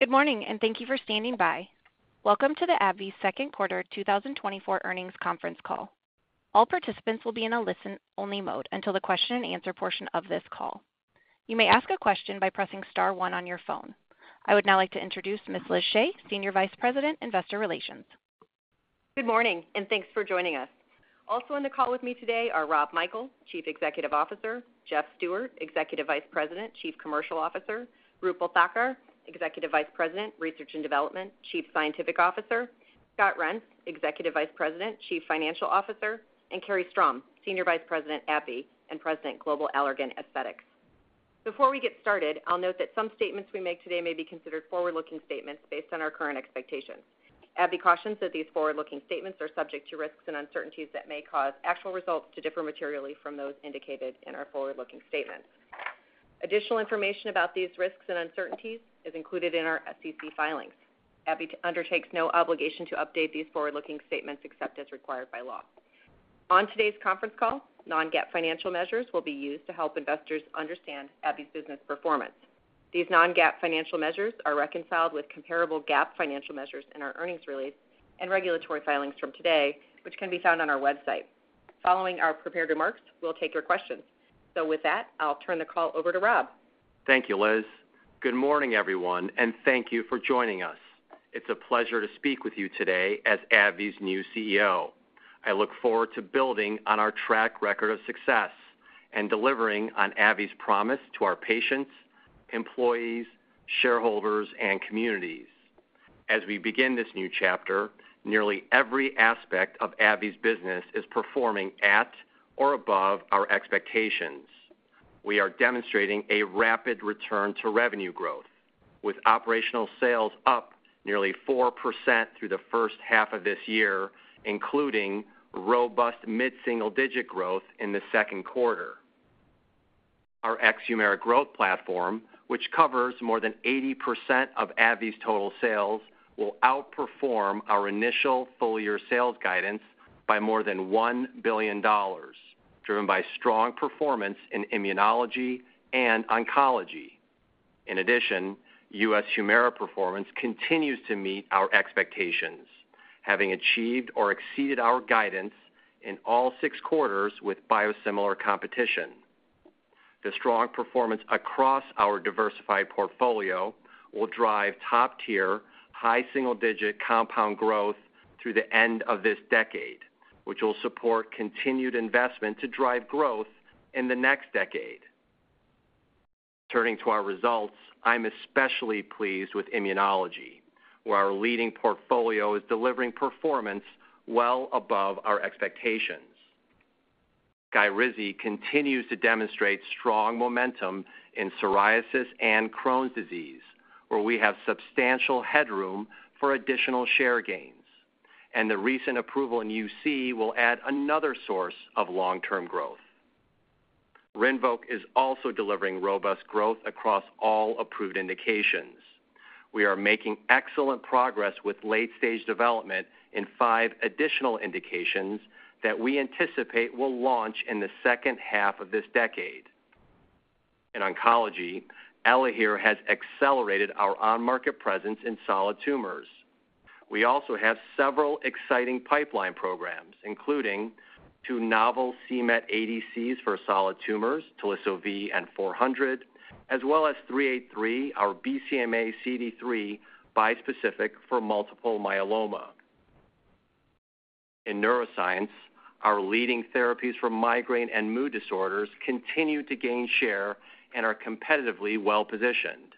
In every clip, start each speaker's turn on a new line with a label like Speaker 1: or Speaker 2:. Speaker 1: Good morning, and thank you for standing by. Welcome to the AbbVie Second Quarter 2024 Earnings Conference Call. All participants will be in a listen-only mode until the question-and-answer portion of this call. You may ask a question by pressing star one on your phone. I would now like to introduce Ms. Liz Shea, Senior Vice President, Investor Relations.
Speaker 2: Good morning, and thanks for joining us. Also on the call with me today are Rob Michael, Chief Executive Officer, Jeff Stewart, Executive Vice President, Chief Commercial Officer, Roopal Thakkar, Executive Vice President, Research and Development, Chief Scientific Officer, Scott Reents, Executive Vice President, Chief Financial Officer; and Carrie Strom, Senior Vice President, AbbVie, and President, Global Allergan Aesthetics. Before we get started, I'll note that some statements we make today may be considered forward-looking statements based on our current expectations. AbbVie cautions that these forward-looking statements are subject to risks and uncertainties that may cause actual results to differ materially from those indicated in our forward-looking statements. Additional information about these risks and uncertainties is included in our SEC filings. AbbVie undertakes no obligation to update these forward-looking statements except as required by law. On today's conference call, non-GAAP financial measures will be used to help investors understand AbbVie's business performance. These non-GAAP financial measures are reconciled with comparable GAAP financial measures in our earnings release and regulatory filings from today, which can be found on our website. Following our prepared remarks, we'll take your questions. So with that, I'll turn the call over to Rob.
Speaker 3: Thank you, Liz. Good morning, everyone, and thank you for joining us. It's a pleasure to speak with you today as AbbVie's new CEO. I look forward to building on our track record of success and delivering on AbbVie's promise to our patients, employees, shareholders, and communities. As we begin this new chapter, nearly every aspect of AbbVie's business is performing at or above our expectations. We are demonstrating a rapid return to revenue growth, with operational sales up nearly 4% through the first half of this year, including robust mid-single-digit growth in the second quarter. Our ex-HUMIRA growth platform, which covers more than 80% of AbbVie's total sales, will outperform our initial full-year sales guidance by more than $1 billion, driven by strong performance in immunology and oncology. In addition, U.S. HUMIRA performance continues to meet our expectations, having achieved or exceeded our guidance in all six quarters with biosimilar competition. The strong performance across our diversified portfolio will drive top-tier, high single-digit compound growth through the end of this decade, which will support continued investment to drive growth in the next decade. Turning to our results, I'm especially pleased with immunology, where our leading portfolio is delivering performance well above our expectations. SKYRIZI continues to demonstrate strong momentum in psoriasis and Crohn's disease, where we have substantial headroom for additional share gains, and the recent approval in UC will add another source of long-term growth. RINVOQ is also delivering robust growth across all approved indications. We are making excellent progress with late-stage development in five additional indications that we anticipate will launch in the second half of this decade. In oncology, ELAHERE has accelerated our on-market presence in solid tumors. We also have several exciting pipeline programs, including two novel c-Met ADCs for solid tumors, Teliso-V and 400, as well as 383, our BCMA-CD3 bispecific for multiple myeloma. In neuroscience, our leading therapies for migraine and mood disorders continue to gain share and are competitively well-positioned.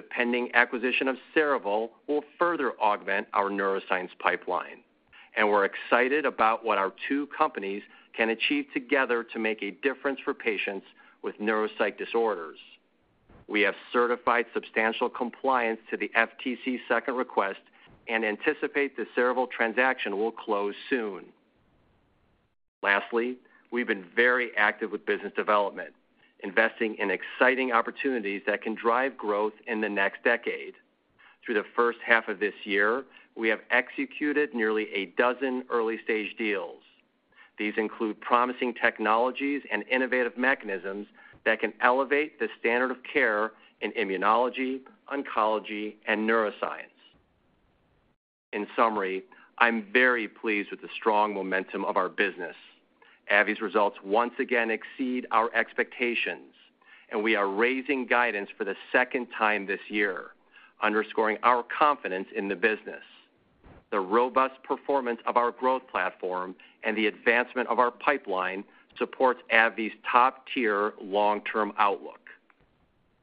Speaker 3: The pending acquisition of Cerevel will further augment our neuroscience pipeline, and we're excited about what our two companies can achieve together to make a difference for patients with neuropsych disorders. We have certified substantial compliance to the FTC's second request and anticipate the Cerevel transaction will close soon. Lastly, we've been very active with business development, investing in exciting opportunities that can drive growth in the next decade. Through the first half of this year, we have executed nearly a dozen early-stage deals. These include promising technologies and innovative mechanisms that can elevate the standard of care in immunology, oncology, and neuroscience. In summary, I'm very pleased with the strong momentum of our business. AbbVie's results once again exceed our expectations, and we are raising guidance for the second time this year, underscoring our confidence in the business. The robust performance of our growth platform and the advancement of our pipeline supports AbbVie's top-tier long-term outlook.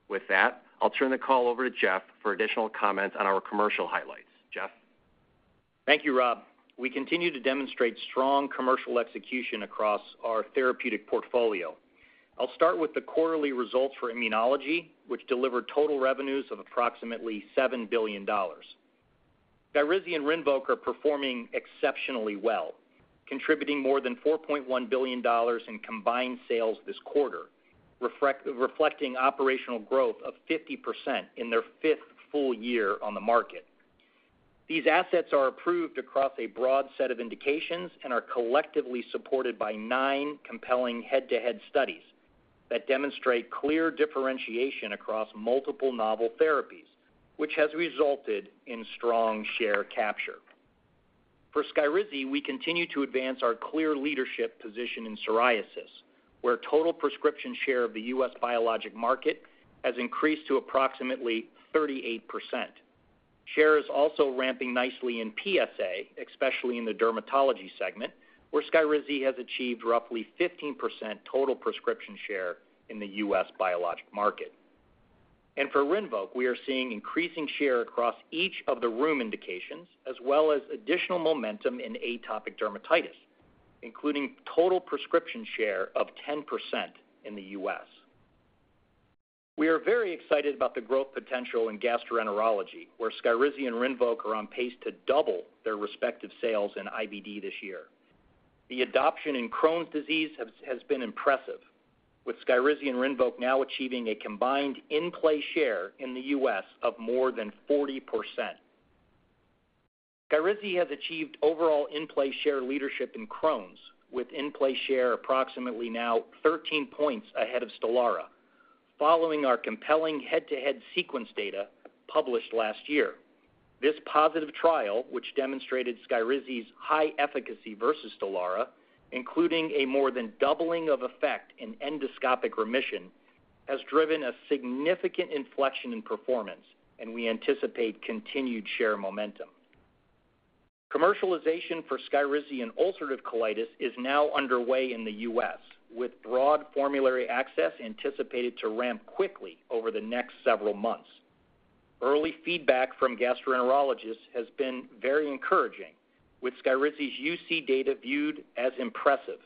Speaker 3: With that, I'll turn the call over to Jeff for additional comments on our commercial highlights. Jeff?
Speaker 4: Thank you, Rob. We continue to demonstrate strong commercial execution across our therapeutic portfolio. I'll start with the quarterly results for immunology, which delivered total revenues of approximately $7 billion. SKYRIZI and RINVOQ are performing exceptionally well, contributing more than $4.1 billion in combined sales this quarter, reflecting operational growth of 50% in their fifth full year on the market. These assets are approved across a broad set of indications and are collectively supported by nine compelling head-to-head studies that demonstrate clear differentiation across multiple novel therapies, which has resulted in strong share capture. For SKYRIZI, we continue to advance our clear leadership position in psoriasis, where total prescription share of the U.S. biologic market has increased to approximately 38%. Share is also ramping nicely in PsA, especially in the dermatology segment, where SKYRIZI has achieved roughly 15% total prescription share in the U.S. biologic market. And for RINVOQ, we are seeing increasing share across each of the rheum indications, as well as additional momentum in atopic dermatitis, including total prescription share of 10% in the U.S. We are very excited about the growth potential in gastroenterology, where SKYRIZI and RINVOQ are on pace to double their respective sales in IBD this year. The adoption in Crohn's disease has been impressive, with SKYRIZI and RINVOQ now achieving a combined in-play share in the U.S. of more than 40%. SKYRIZI has achieved overall in-play share leadership in Crohn's, with in-play share approximately now 13 points ahead of STELARA, following our compelling head-to-head sequence data published last year. This positive trial, which demonstrated SKYRIZI's high efficacy versus STELARA, including a more than doubling of effect in endoscopic remission, has driven a significant inflection in performance, and we anticipate continued share momentum. Commercialization for SKYRIZI in ulcerative colitis is now underway in the U.S., with broad formulary access anticipated to ramp quickly over the next several months. Early feedback from gastroenterologists has been very encouraging, with SKYRIZI's UC data viewed as impressive,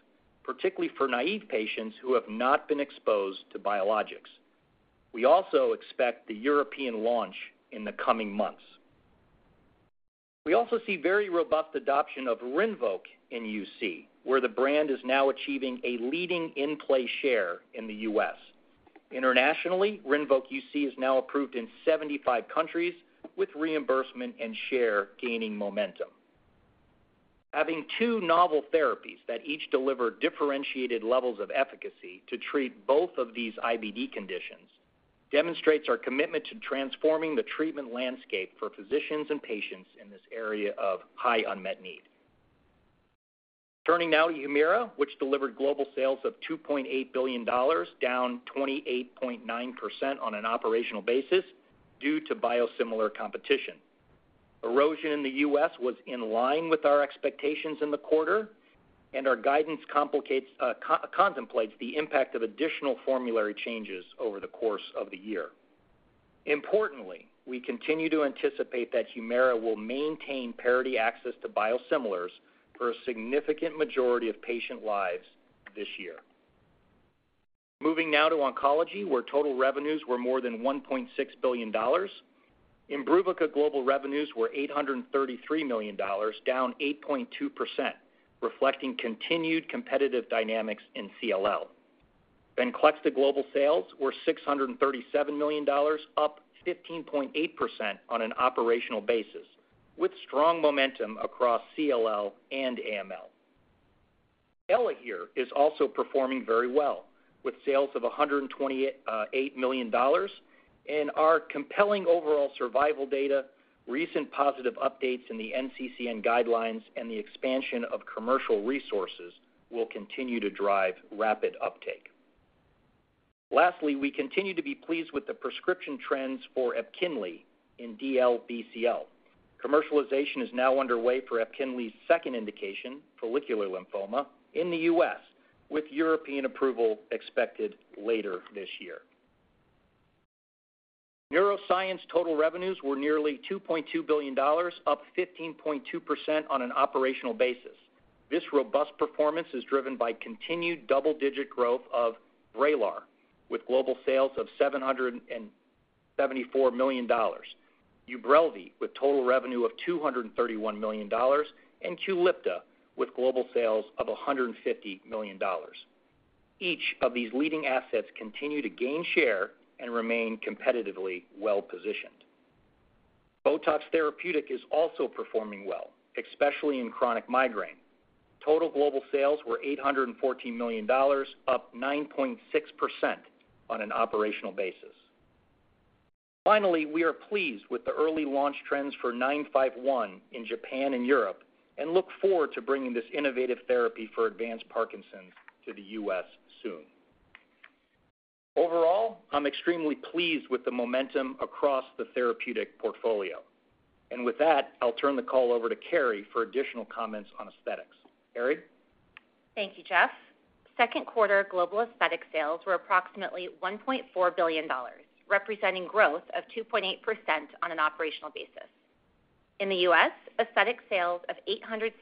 Speaker 4: particularly for naive patients who have not been exposed to biologics. We also expect the European launch in the coming months. We also see very robust adoption of RINVOQ in UC, where the brand is now achieving a leading in-play share in the U.S. Internationally, RINVOQ UC is now approved in 75 countries, with reimbursement and share gaining momentum. Having two novel therapies that each deliver differentiated levels of efficacy to treat both of these IBD conditions demonstrates our commitment to transforming the treatment landscape for physicians and patients in this area of high unmet need. Turning now to HUMIRA, which delivered global sales of $2.8 billion, down 28.9% on an operational basis due to biosimilar competition. Erosion in the U.S. was in line with our expectations in the quarter, and our guidance contemplates the impact of additional formulary changes over the course of the year. Importantly, we continue to anticipate that HUMIRA will maintain parity access to biosimilars for a significant majority of patient lives this year. Moving now to oncology, where total revenues were more than $1.6 billion. IMBRUVICA global revenues were $833 million, down 8.2%, reflecting continued competitive dynamics in CLL. VENCLEXTA global sales were $637 million, up 15.8% on an operational basis, with strong momentum across CLL and AML. ELAHERE is also performing very well, with sales of $128 million and our compelling overall survival data, recent positive updates in the NCCN guidelines, and the expansion of commercial resources will continue to drive rapid uptake. Lastly, we continue to be pleased with the prescription trends for EPKINLY in DLBCL. Commercialization is now underway for EPKINLY's second indication, follicular lymphoma, in the U.S., with European approval expected later this year. Neuroscience total revenues were nearly $2.2 billion, up 15.2% on an operational basis. This robust performance is driven by continued double-digit growth of VRAYLAR, with global sales of $774 million, UBRELVY, with total revenue of $231 million, and QULIPTA, with global sales of $150 million. Each of these leading assets continue to gain share and remain competitively well-positioned. BOTOX Therapeutic is also performing well, especially in chronic migraine. Total global sales were $814 million, up 9.6% on an operational basis. Finally, we are pleased with the early launch trends for 951 in Japan and Europe, and look forward to bringing this innovative therapy for advanced Parkinson's to the U.S. soon. Overall, I'm extremely pleased with the momentum across the therapeutic portfolio. And with that, I'll turn the call over to Carrie for additional comments on aesthetics. Carrie?
Speaker 5: Thank you, Jeff. Second quarter global aesthetics sales were approximately $1.4 billion, representing growth of 2.8% on an operational basis. In the U.S., aesthetic sales of $863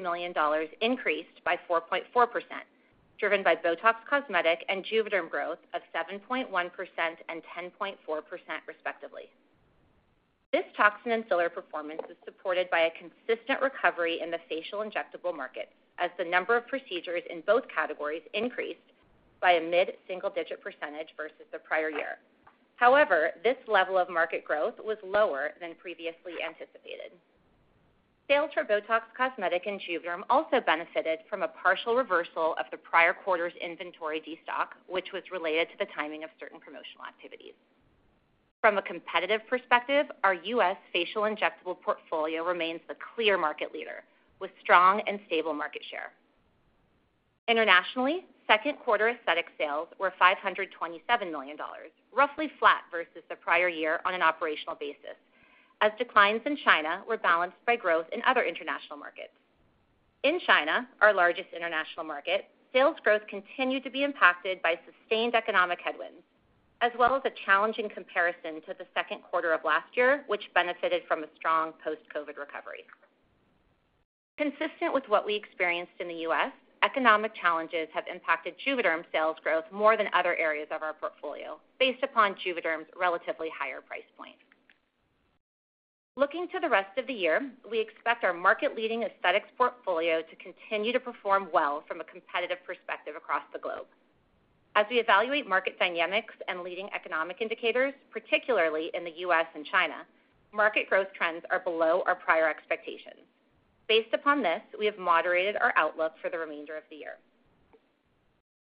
Speaker 5: million increased by 4.4%, driven by BOTOX Cosmetic and JUVÉDERM growth of 7.1% and 10.4%, respectively. This toxin and filler performance was supported by a consistent recovery in the facial injectable market, as the number of procedures in both categories increased by a mid-single-digit percentage versus the prior year. However, this level of market growth was lower than previously anticipated. Sales for BOTOX Cosmetic and JUVÉDERM also benefited from a partial reversal of the prior quarter's inventory destock, which was related to the timing of certain promotional activities. From a competitive perspective, our U.S. facial injectable portfolio remains the clear market leader, with strong and stable market share. Internationally, second quarter aesthetic sales were $527 million, roughly flat versus the prior year on an operational basis, as declines in China were balanced by growth in other international markets. In China, our largest international market, sales growth continued to be impacted by sustained economic headwinds, as well as a challenging comparison to the second quarter of last year, which benefited from a strong post-COVID recovery. Consistent with what we experienced in the U.S., economic challenges have impacted JUVÉDERM sales growth more than other areas of our portfolio, based upon JUVÉDERM's relatively higher price point. Looking to the rest of the year, we expect our market-leading aesthetics portfolio to continue to perform well from a competitive perspective across the globe. As we evaluate market dynamics and leading economic indicators, particularly in the U.S. and China, market growth trends are below our prior expectations. Based upon this, we have moderated our outlook for the remainder of the year.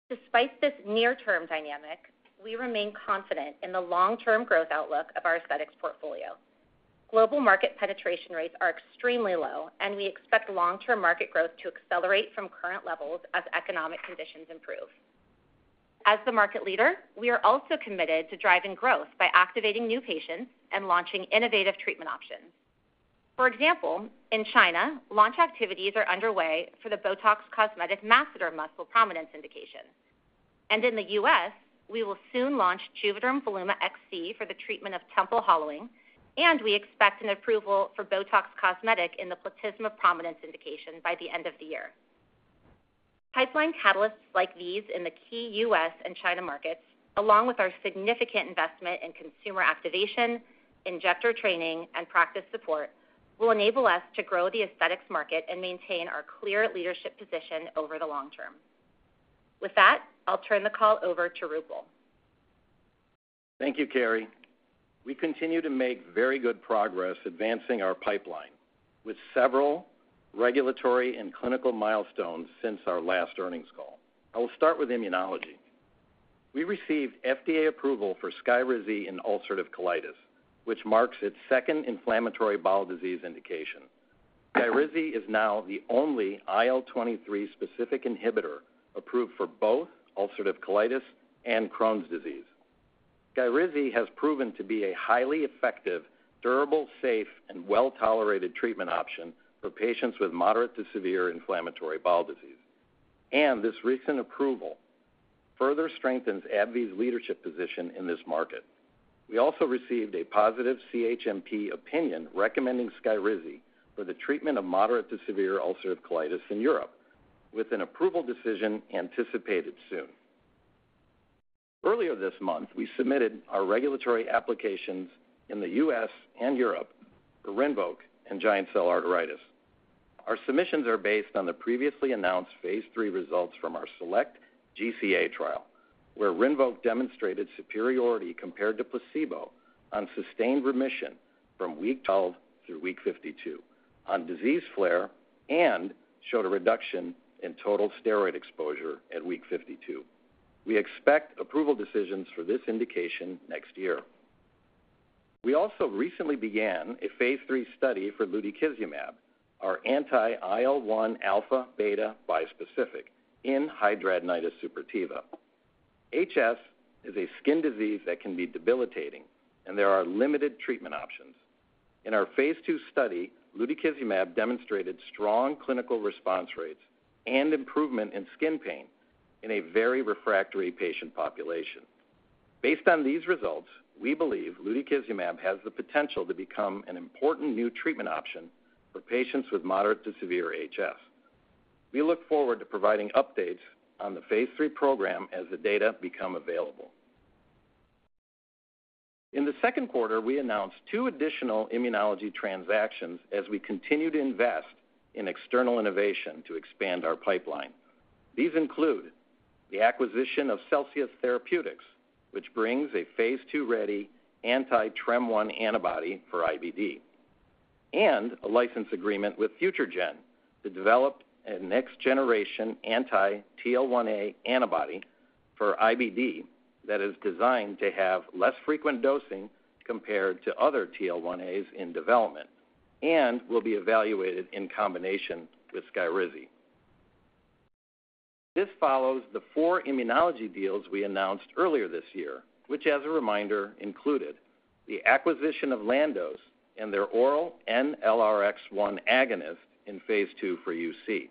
Speaker 5: Despite this near-term dynamic, we remain confident in the long-term growth outlook of our aesthetics portfolio. Global market penetration rates are extremely low, and we expect long-term market growth to accelerate from current levels as economic conditions improve. As the market leader, we are also committed to driving growth by activating new patients and launching innovative treatment options. For example, in China, launch activities are underway for the BOTOX Cosmetic masseter muscle prominence indication. In the U.S., we will soon launch JUVÉDERM VOLUMA XC for the treatment of temple hollowing, and we expect an approval for BOTOX Cosmetic in the platysma prominence indication by the end of the year. Pipeline catalysts like these in the key U.S. and China markets, along with our significant investment in consumer activation, injector training, and practice support, will enable us to grow the aesthetics market and maintain our clear leadership position over the long-term. With that, I'll turn the call over to Roopal.
Speaker 6: Thank you, Carrie. We continue to make very good progress advancing our pipeline, with several regulatory and clinical milestones since our last earnings call. I will start with immunology. We received FDA approval for SKYRIZI in ulcerative colitis, which marks its second inflammatory bowel disease indication. SKYRIZI is now the only IL-23-specific inhibitor approved for both ulcerative colitis and Crohn's disease. SKYRIZI has proven to be a highly effective, durable, safe, and well-tolerated treatment option for patients with moderate to severe inflammatory bowel disease, and this recent approval further strengthens AbbVie's leadership position in this market. We also received a positive CHMP opinion recommending SKYRIZI for the treatment of moderate to severe ulcerative colitis in Europe, with an approval decision anticipated soon. Earlier this month, we submitted our regulatory applications in the U.S. and Europe for RINVOQ and giant cell arteritis. Our submissions are based on the previously announced phase III results from our SELECT-GCA trial, where RINVOQ demonstrated superiority compared to placebo on sustained remission from week 12 through week 52 on disease flare and showed a reduction in total steroid exposure at week 52. We expect approval decisions for this indication next year. We also recently began a phase III study for lutikizumab, our anti-IL-1 alpha/beta bispecific in hidradenitis suppurativa. HS is a skin disease that can be debilitating, and there are limited treatment options. In our phase II study, lutikizumab demonstrated strong clinical response rates and improvement in skin pain in a very refractory patient population. Based on these results, we believe lutikizumab has the potential to become an important new treatment option for patients with moderate to severe HS. We look forward to providing updates on the phase III program as the data become available. In the second quarter, we announced two additional immunology transactions as we continue to invest in external innovation to expand our pipeline. These include the acquisition of Celsius Therapeutics, which brings a phase II-ready anti-TREM1 antibody for IBD, and a license agreement with FutureGen to develop a next-generation anti-TL1A antibody for IBD that is designed to have less frequent dosing compared to other TL1As in development and will be evaluated in combination with SKYRIZI. This follows the four immunology deals we announced earlier this year, which, as a reminder, included the acquisition of Landos and their oral NLRX1 agonist in phase II for UC,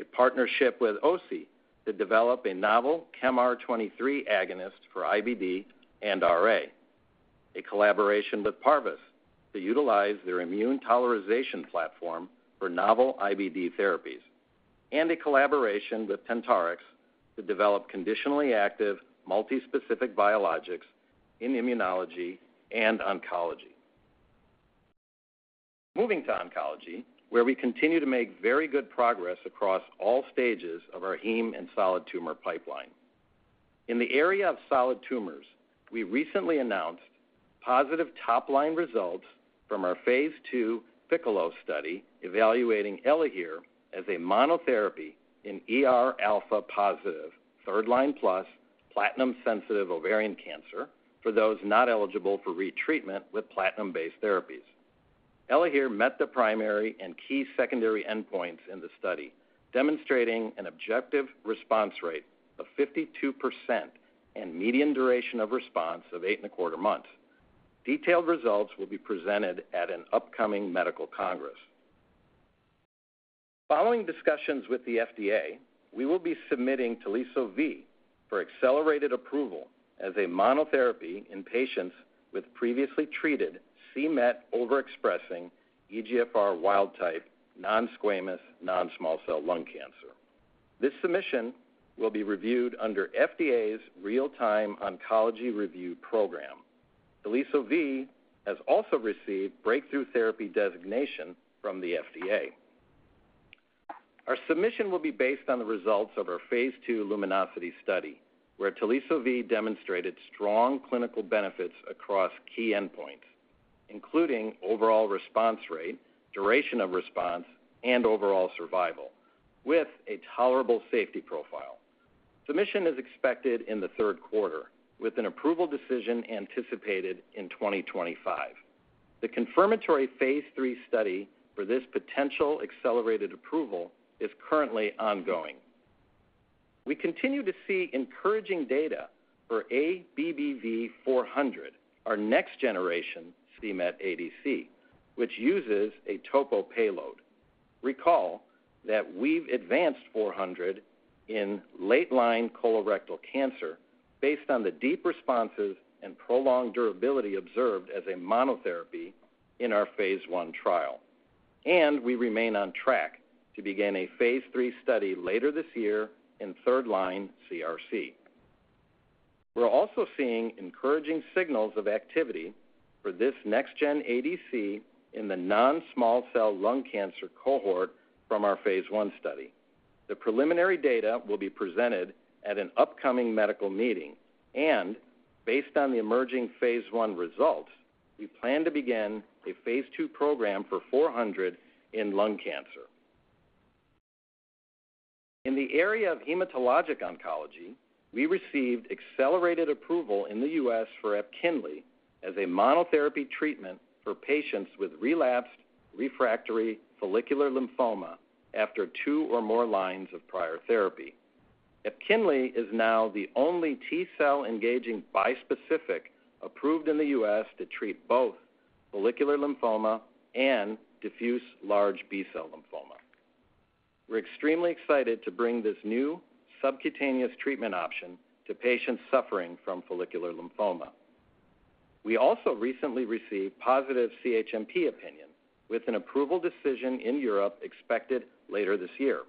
Speaker 6: a partnership with OSE to develop a novel ChemR23 agonist for IBD and RA, a collaboration with Parvus to utilize their immune tolerization platform for novel IBD therapies, and a collaboration with Tentarix to develop conditionally active, multispecific biologics in immunology and oncology.... Moving to oncology, where we continue to make very good progress across all stages of our heme and solid tumor pipeline. In the area of solid tumors, we recently announced positive top-line results from our phase II PICCOLO study, evaluating ELAHERE as a monotherapy in ER-alpha positive third-line plus platinum-sensitive ovarian cancer for those not eligible for retreatment with platinum-based therapies. ELAHERE met the primary and key secondary endpoints in the study, demonstrating an objective response rate of 52% and median duration of response of 8.25 months. Detailed results will be presented at an upcoming medical congress. Following discussions with the FDA, we will be submitting Teliso-V for accelerated approval as a monotherapy in patients with previously treated c-Met overexpressing EGFR wild type, non-squamous, non-small cell lung cancer. This submission will be reviewed under FDA's Real-Time Oncology Review program. Teliso-V has also received breakthrough therapy designation from the FDA. Our submission will be based on the results of our phase II LUMINOSITY study, where Teliso-V demonstrated strong clinical benefits across key endpoints, including overall response rate, duration of response, and overall survival, with a tolerable safety profile. Submission is expected in the third quarter, with an approval decision anticipated in 2025. The confirmatory phase III study for this potential accelerated approval is currently ongoing. We continue to see encouraging data for ABBV-400, our next-generation c-Met ADC, which uses a topo payload. Recall that we've advanced 400 in late-line colorectal cancer based on the deep responses and prolonged durability observed as a monotherapy in our phase I trial, and we remain on track to begin a phase III study later this year in third-line CRC. We're also seeing encouraging signals of activity for this next-gen ADC in the non-small cell lung cancer cohort from our phase I study. The preliminary data will be presented at an upcoming medical meeting, and based on the emerging phase I results, we plan to begin a phase II program for 400 in lung cancer. In the area of hematologic oncology, we received accelerated approval in the U.S. for EPKINLY as a monotherapy treatment for patients with relapsed refractory follicular lymphoma after two or more lines of prior therapy. EPKINLY is now the only T-cell engaging bispecific, approved in the U.S. to treat both follicular lymphoma and diffuse large B-cell lymphoma. We're extremely excited to bring this new subcutaneous treatment option to patients suffering from follicular lymphoma. We also recently received positive CHMP opinion, with an approval decision in Europe expected later this year.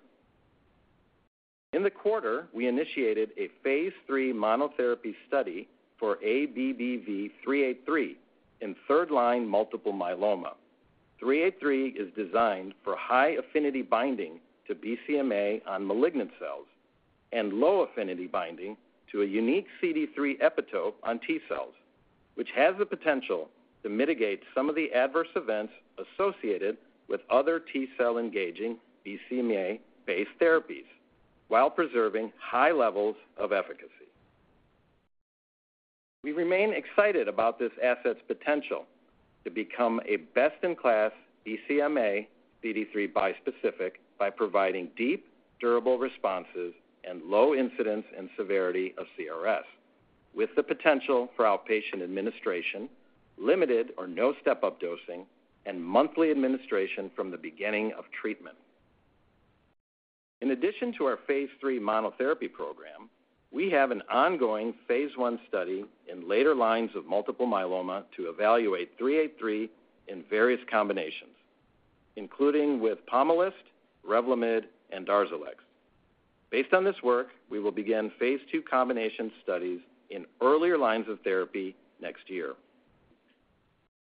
Speaker 6: In the quarter, we initiated a phase III monotherapy study for ABBV-383 in third-line multiple myeloma. 383 is designed for high-affinity binding to BCMA on malignant cells and low-affinity binding to a unique CD3 epitope on T-cells, which has the potential to mitigate some of the adverse events associated with other T-cell engaging BCMA-based therapies while preserving high levels of efficacy. We remain excited about this asset's potential to become a best-in-class BCMA-CD3 bispecific by providing deep, durable responses and low incidence and severity of CRS, with the potential for outpatient administration, limited or no step-up dosing, and monthly administration from the beginning of treatment. In addition to our phase III monotherapy program, we have an ongoing phase I study in later lines of multiple myeloma to evaluate 383 in various combinations, including with Pomalyst, REVLIMID, and DARZALEX. Based on this work, we will begin phase II combination studies in earlier lines of therapy next year.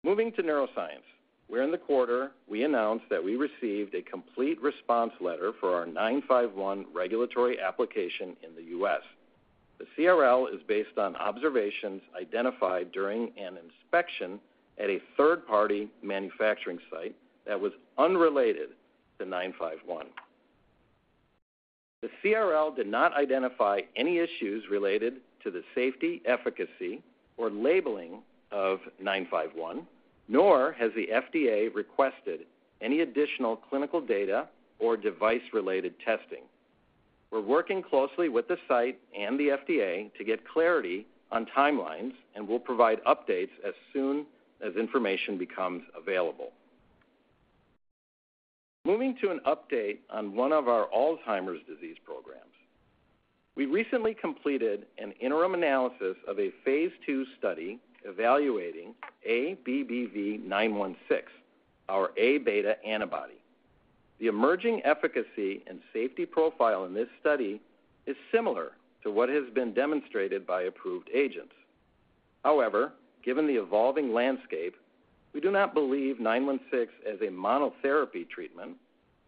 Speaker 6: Moving to neuroscience, where in the quarter we announced that we received a complete response letter for our 951 regulatory application in the U.S. The CRL is based on observations identified during an inspection at a third-party manufacturing site that was unrelated to 951. The CRL did not identify any issues related to the safety, efficacy, or labeling of 951, nor has the FDA requested any additional clinical data or device-related testing. We're working closely with the site and the FDA to get clarity on timelines, and we'll provide updates as soon as information becomes available. Moving to an update on one of our Alzheimer's disease programs. We recently completed an interim analysis of a phase II study evaluating ABBV-916, our A-beta antibody. The emerging efficacy and safety profile in this study is similar to what has been demonstrated by approved agents. However, given the evolving landscape, we do not believe 916 as a monotherapy treatment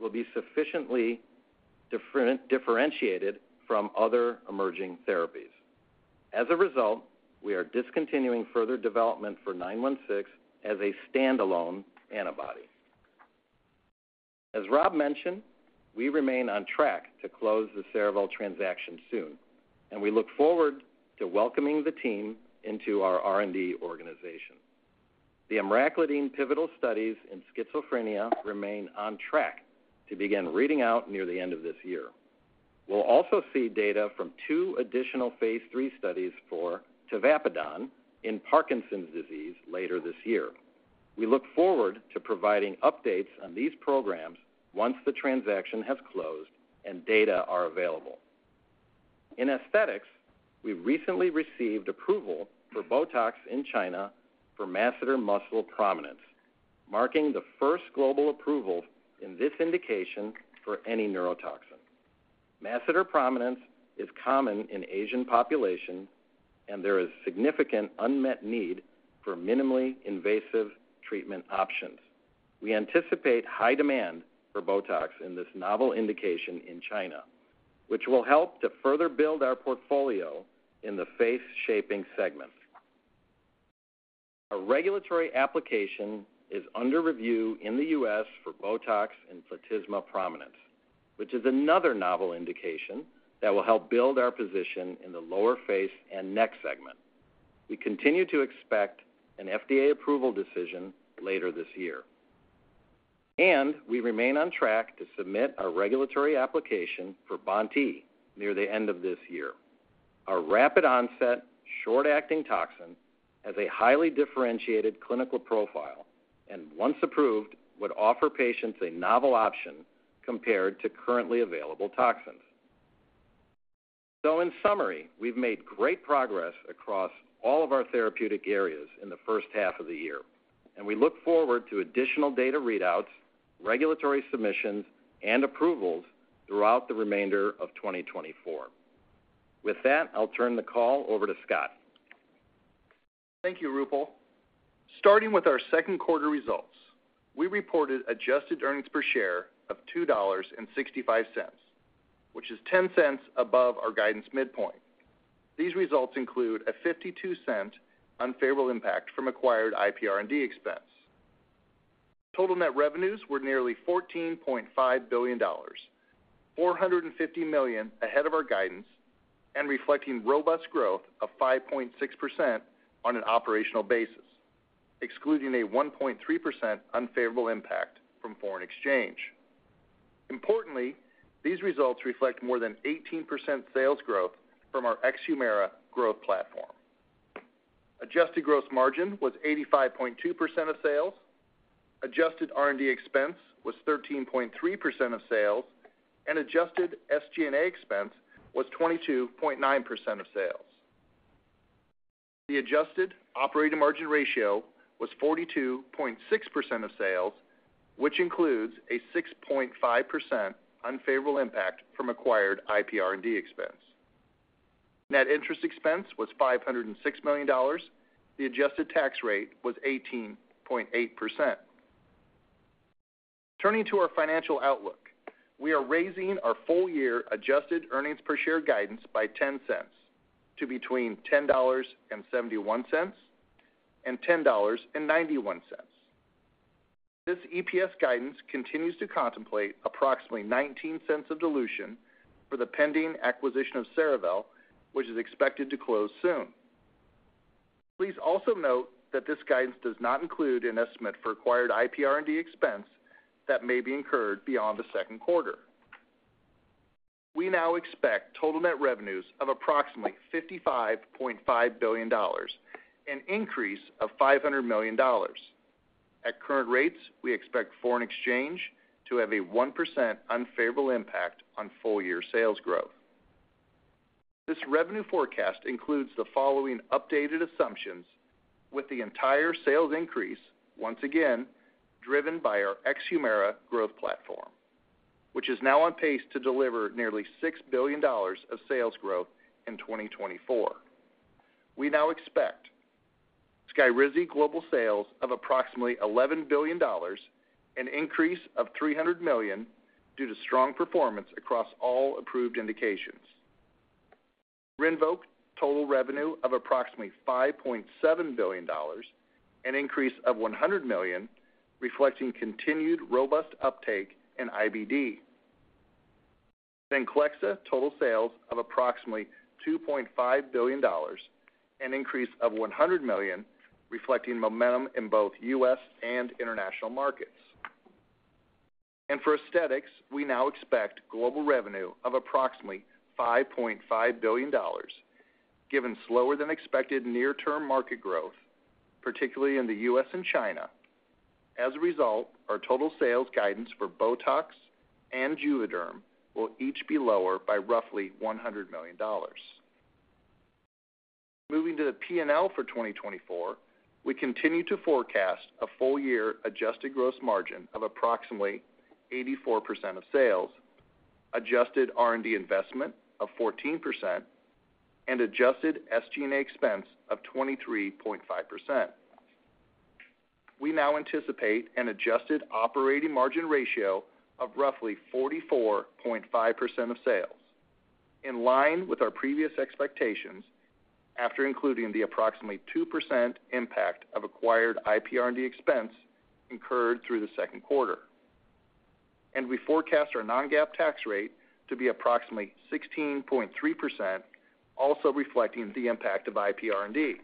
Speaker 6: will be sufficiently differentiated from other emerging therapies. As a result, we are discontinuing further development for 916 as a standalone antibody. As Rob mentioned, we remain on track to close the Cerevel transaction soon, and we look forward to welcoming the team into our R&D organization. The emraclidine pivotal studies in schizophrenia remain on track to begin reading out near the end of this year. We'll also see data from two additional phase III studies for tavapadon in Parkinson's disease later this year. We look forward to providing updates on these programs once the transaction has closed and data are available. In aesthetics, we recently received approval for BOTOX in China for masseter muscle prominence, marking the first global approval in this indication for any neurotoxin. Masseter prominence is common in Asian populations, and there is significant unmet need for minimally invasive treatment options. We anticipate high demand for BOTOX in this novel indication in China, which will help to further build our portfolio in the face shaping segment. A regulatory application is under review in the U.S. for BOTOX and platysma prominence, which is another novel indication that will help build our position in the lower face and neck segment. We continue to expect an FDA approval decision later this year, and we remain on track to submit our regulatory application for BoNT/E near the end of this year. Our rapid onset, short-acting toxin has a highly differentiated clinical profile, and once approved, would offer patients a novel option compared to currently available toxins. In summary, we've made great progress across all of our therapeutic areas in the first half of the year, and we look forward to additional data readouts, regulatory submissions, and approvals throughout the remainder of 2024. With that, I'll turn the call over to Scott.
Speaker 7: Thank you, Roopal. Starting with our second quarter results, we reported adjusted earnings per share of $2.65, which is $0.10 above our guidance midpoint. These results include a $0.52 unfavorable impact from acquired IP R&D expense. Total net revenues were nearly $14.5 billion, $450 million ahead of our guidance and reflecting robust growth of 5.6% on an operational basis, excluding a 1.3% unfavorable impact from foreign exchange. Importantly, these results reflect more than 18% sales growth from our ex-HUMIRA growth platform. Adjusted gross margin was 85.2% of sales, adjusted R&D expense was 13.3% of sales, and adjusted SG&A expense was 22.9% of sales. The adjusted operating margin ratio was 42.6% of sales, which includes a 6.5% unfavorable impact from acquired IP R&D expense. Net interest expense was $506 million. The adjusted tax rate was 18.8%. Turning to our financial outlook, we are raising our full-year adjusted earnings per share guidance by $0.10 to between $10.71 and $10.91. This EPS guidance continues to contemplate approximately $0.19 of dilution for the pending acquisition of Cerevel, which is expected to close soon. Please also note that this guidance does not include an estimate for acquired IP R&D expense that may be incurred beyond the second quarter. We now expect total net revenues of approximately $55.5 billion, an increase of $500 million. At current rates, we expect foreign exchange to have a 1% unfavorable impact on full-year sales growth. This revenue forecast includes the following updated assumptions with the entire sales increase, once again, driven by our ex-HUMIRA growth platform, which is now on pace to deliver nearly $6 billion of sales growth in 2024. We now expect SKYRIZI global sales of approximately $11 billion, an increase of $300 million, due to strong performance across all approved indications. RINVOQ total revenue of approximately $5.7 billion, an increase of $100 million, reflecting continued robust uptake in IBD. VENCLEXTA total sales of approximately $2.5 billion, an increase of $100 million, reflecting momentum in both U.S. and international markets. For aesthetics, we now expect global revenue of approximately $5.5 billion, given slower-than-expected near-term market growth, particularly in the U.S. and China. As a result, our total sales guidance for BOTOX and JUVÉDERM will each be lower by roughly $100 million. Moving to the P&L for 2024, we continue to forecast a full-year adjusted gross margin of approximately 84% of sales, adjusted R&D investment of 14% and adjusted SG&A expense of 23.5%. We now anticipate an adjusted operating margin ratio of roughly 44.5% of sales, in line with our previous expectations, after including the approximately 2% impact of acquired IP R&D expense incurred through the second quarter. We forecast our non-GAAP tax rate to be approximately 16.3%, also reflecting the impact of IP R&D.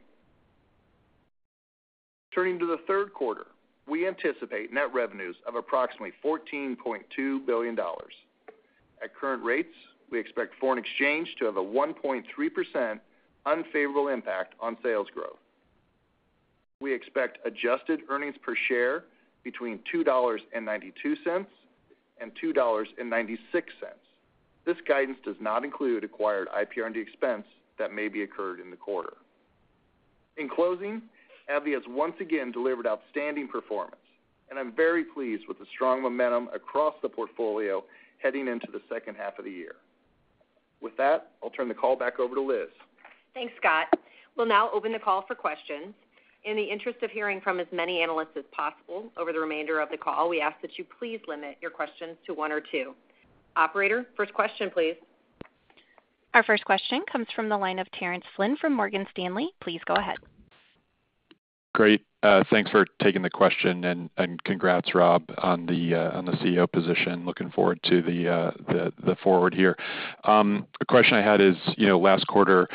Speaker 7: Turning to the third quarter, we anticipate net revenues of approximately $14.2 billion. At current rates, we expect foreign exchange to have a 1.3% unfavorable impact on sales growth. We expect adjusted earnings per share between $2.92 and $2.96. This guidance does not include acquired IP R&D expense that may be incurred in the quarter. In closing, AbbVie has once again delivered outstanding performance, and I'm very pleased with the strong momentum across the portfolio heading into the second half of the year. With that, I'll turn the call back over to Liz.
Speaker 2: Thanks, Scott. We'll now open the call for questions. In the interest of hearing from as many analysts as possible over the remainder of the call, we ask that you please limit your questions to one or two. Operator, first question, please.
Speaker 1: Our first question comes from the line of Terence Flynn from Morgan Stanley. Please go ahead.
Speaker 8: Great. Thanks for taking the question, and congrats, Rob, on the CEO position. Looking forward to the forward here. The question I had is, you know, last quarter,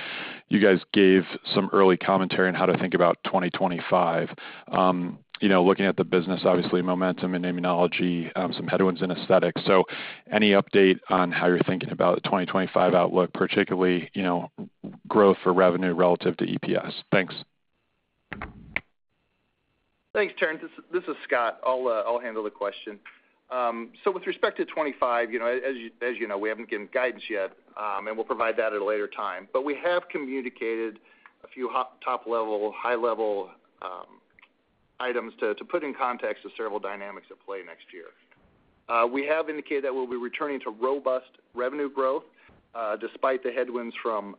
Speaker 8: you guys gave some early commentary on how to think about 2025. You know, looking at the business, obviously, momentum in immunology, some headwinds in aesthetics. So any update on how you're thinking about the 2025 outlook, particularly, you know, growth for revenue relative to EPS? Thanks.
Speaker 7: Thanks, Terence. This is Scott. I'll handle the question. So with respect to 2025, you know, as you know, we haven't given guidance yet, and we'll provide that at a later time. But we have communicated a few top-level, high-level items to put in context the several dynamics at play next year. We have indicated that we'll be returning to robust revenue growth, despite the headwinds from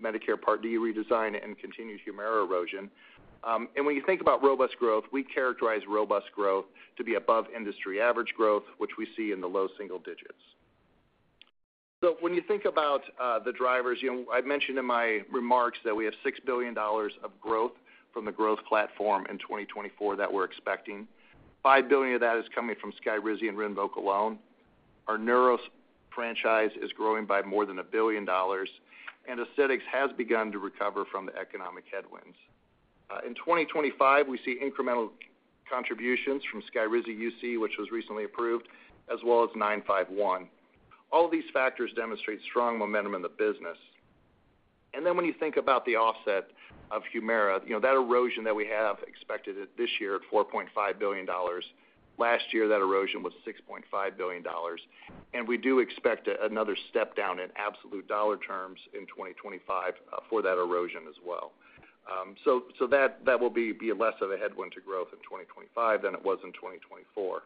Speaker 7: Medicare Part D redesign and continued HUMIRA erosion. And when you think about robust growth, we characterize robust growth to be above industry average growth, which we see in the low single digits. So when you think about the drivers, you know, I've mentioned in my remarks that we have $6 billion of growth from the growth platform in 2024 that we're expecting. $5 billion of that is coming from SKYRIZI and RINVOQ alone. Our neuros franchise is growing by more than $1 billion, and aesthetics has begun to recover from the economic headwinds. In 2025, we see incremental contributions from SKYRIZI UC, which was recently approved, as well as 951. All these factors demonstrate strong momentum in the business. And then when you think about the offset of HUMIRA, you know, that erosion that we have expected it this year at $4.5 billion. Last year, that erosion was $6.5 billion, and we do expect another step down in absolute dollar terms in 2025, for that erosion as well. So that will be less of a headwind to growth in 2025 than it was in 2024.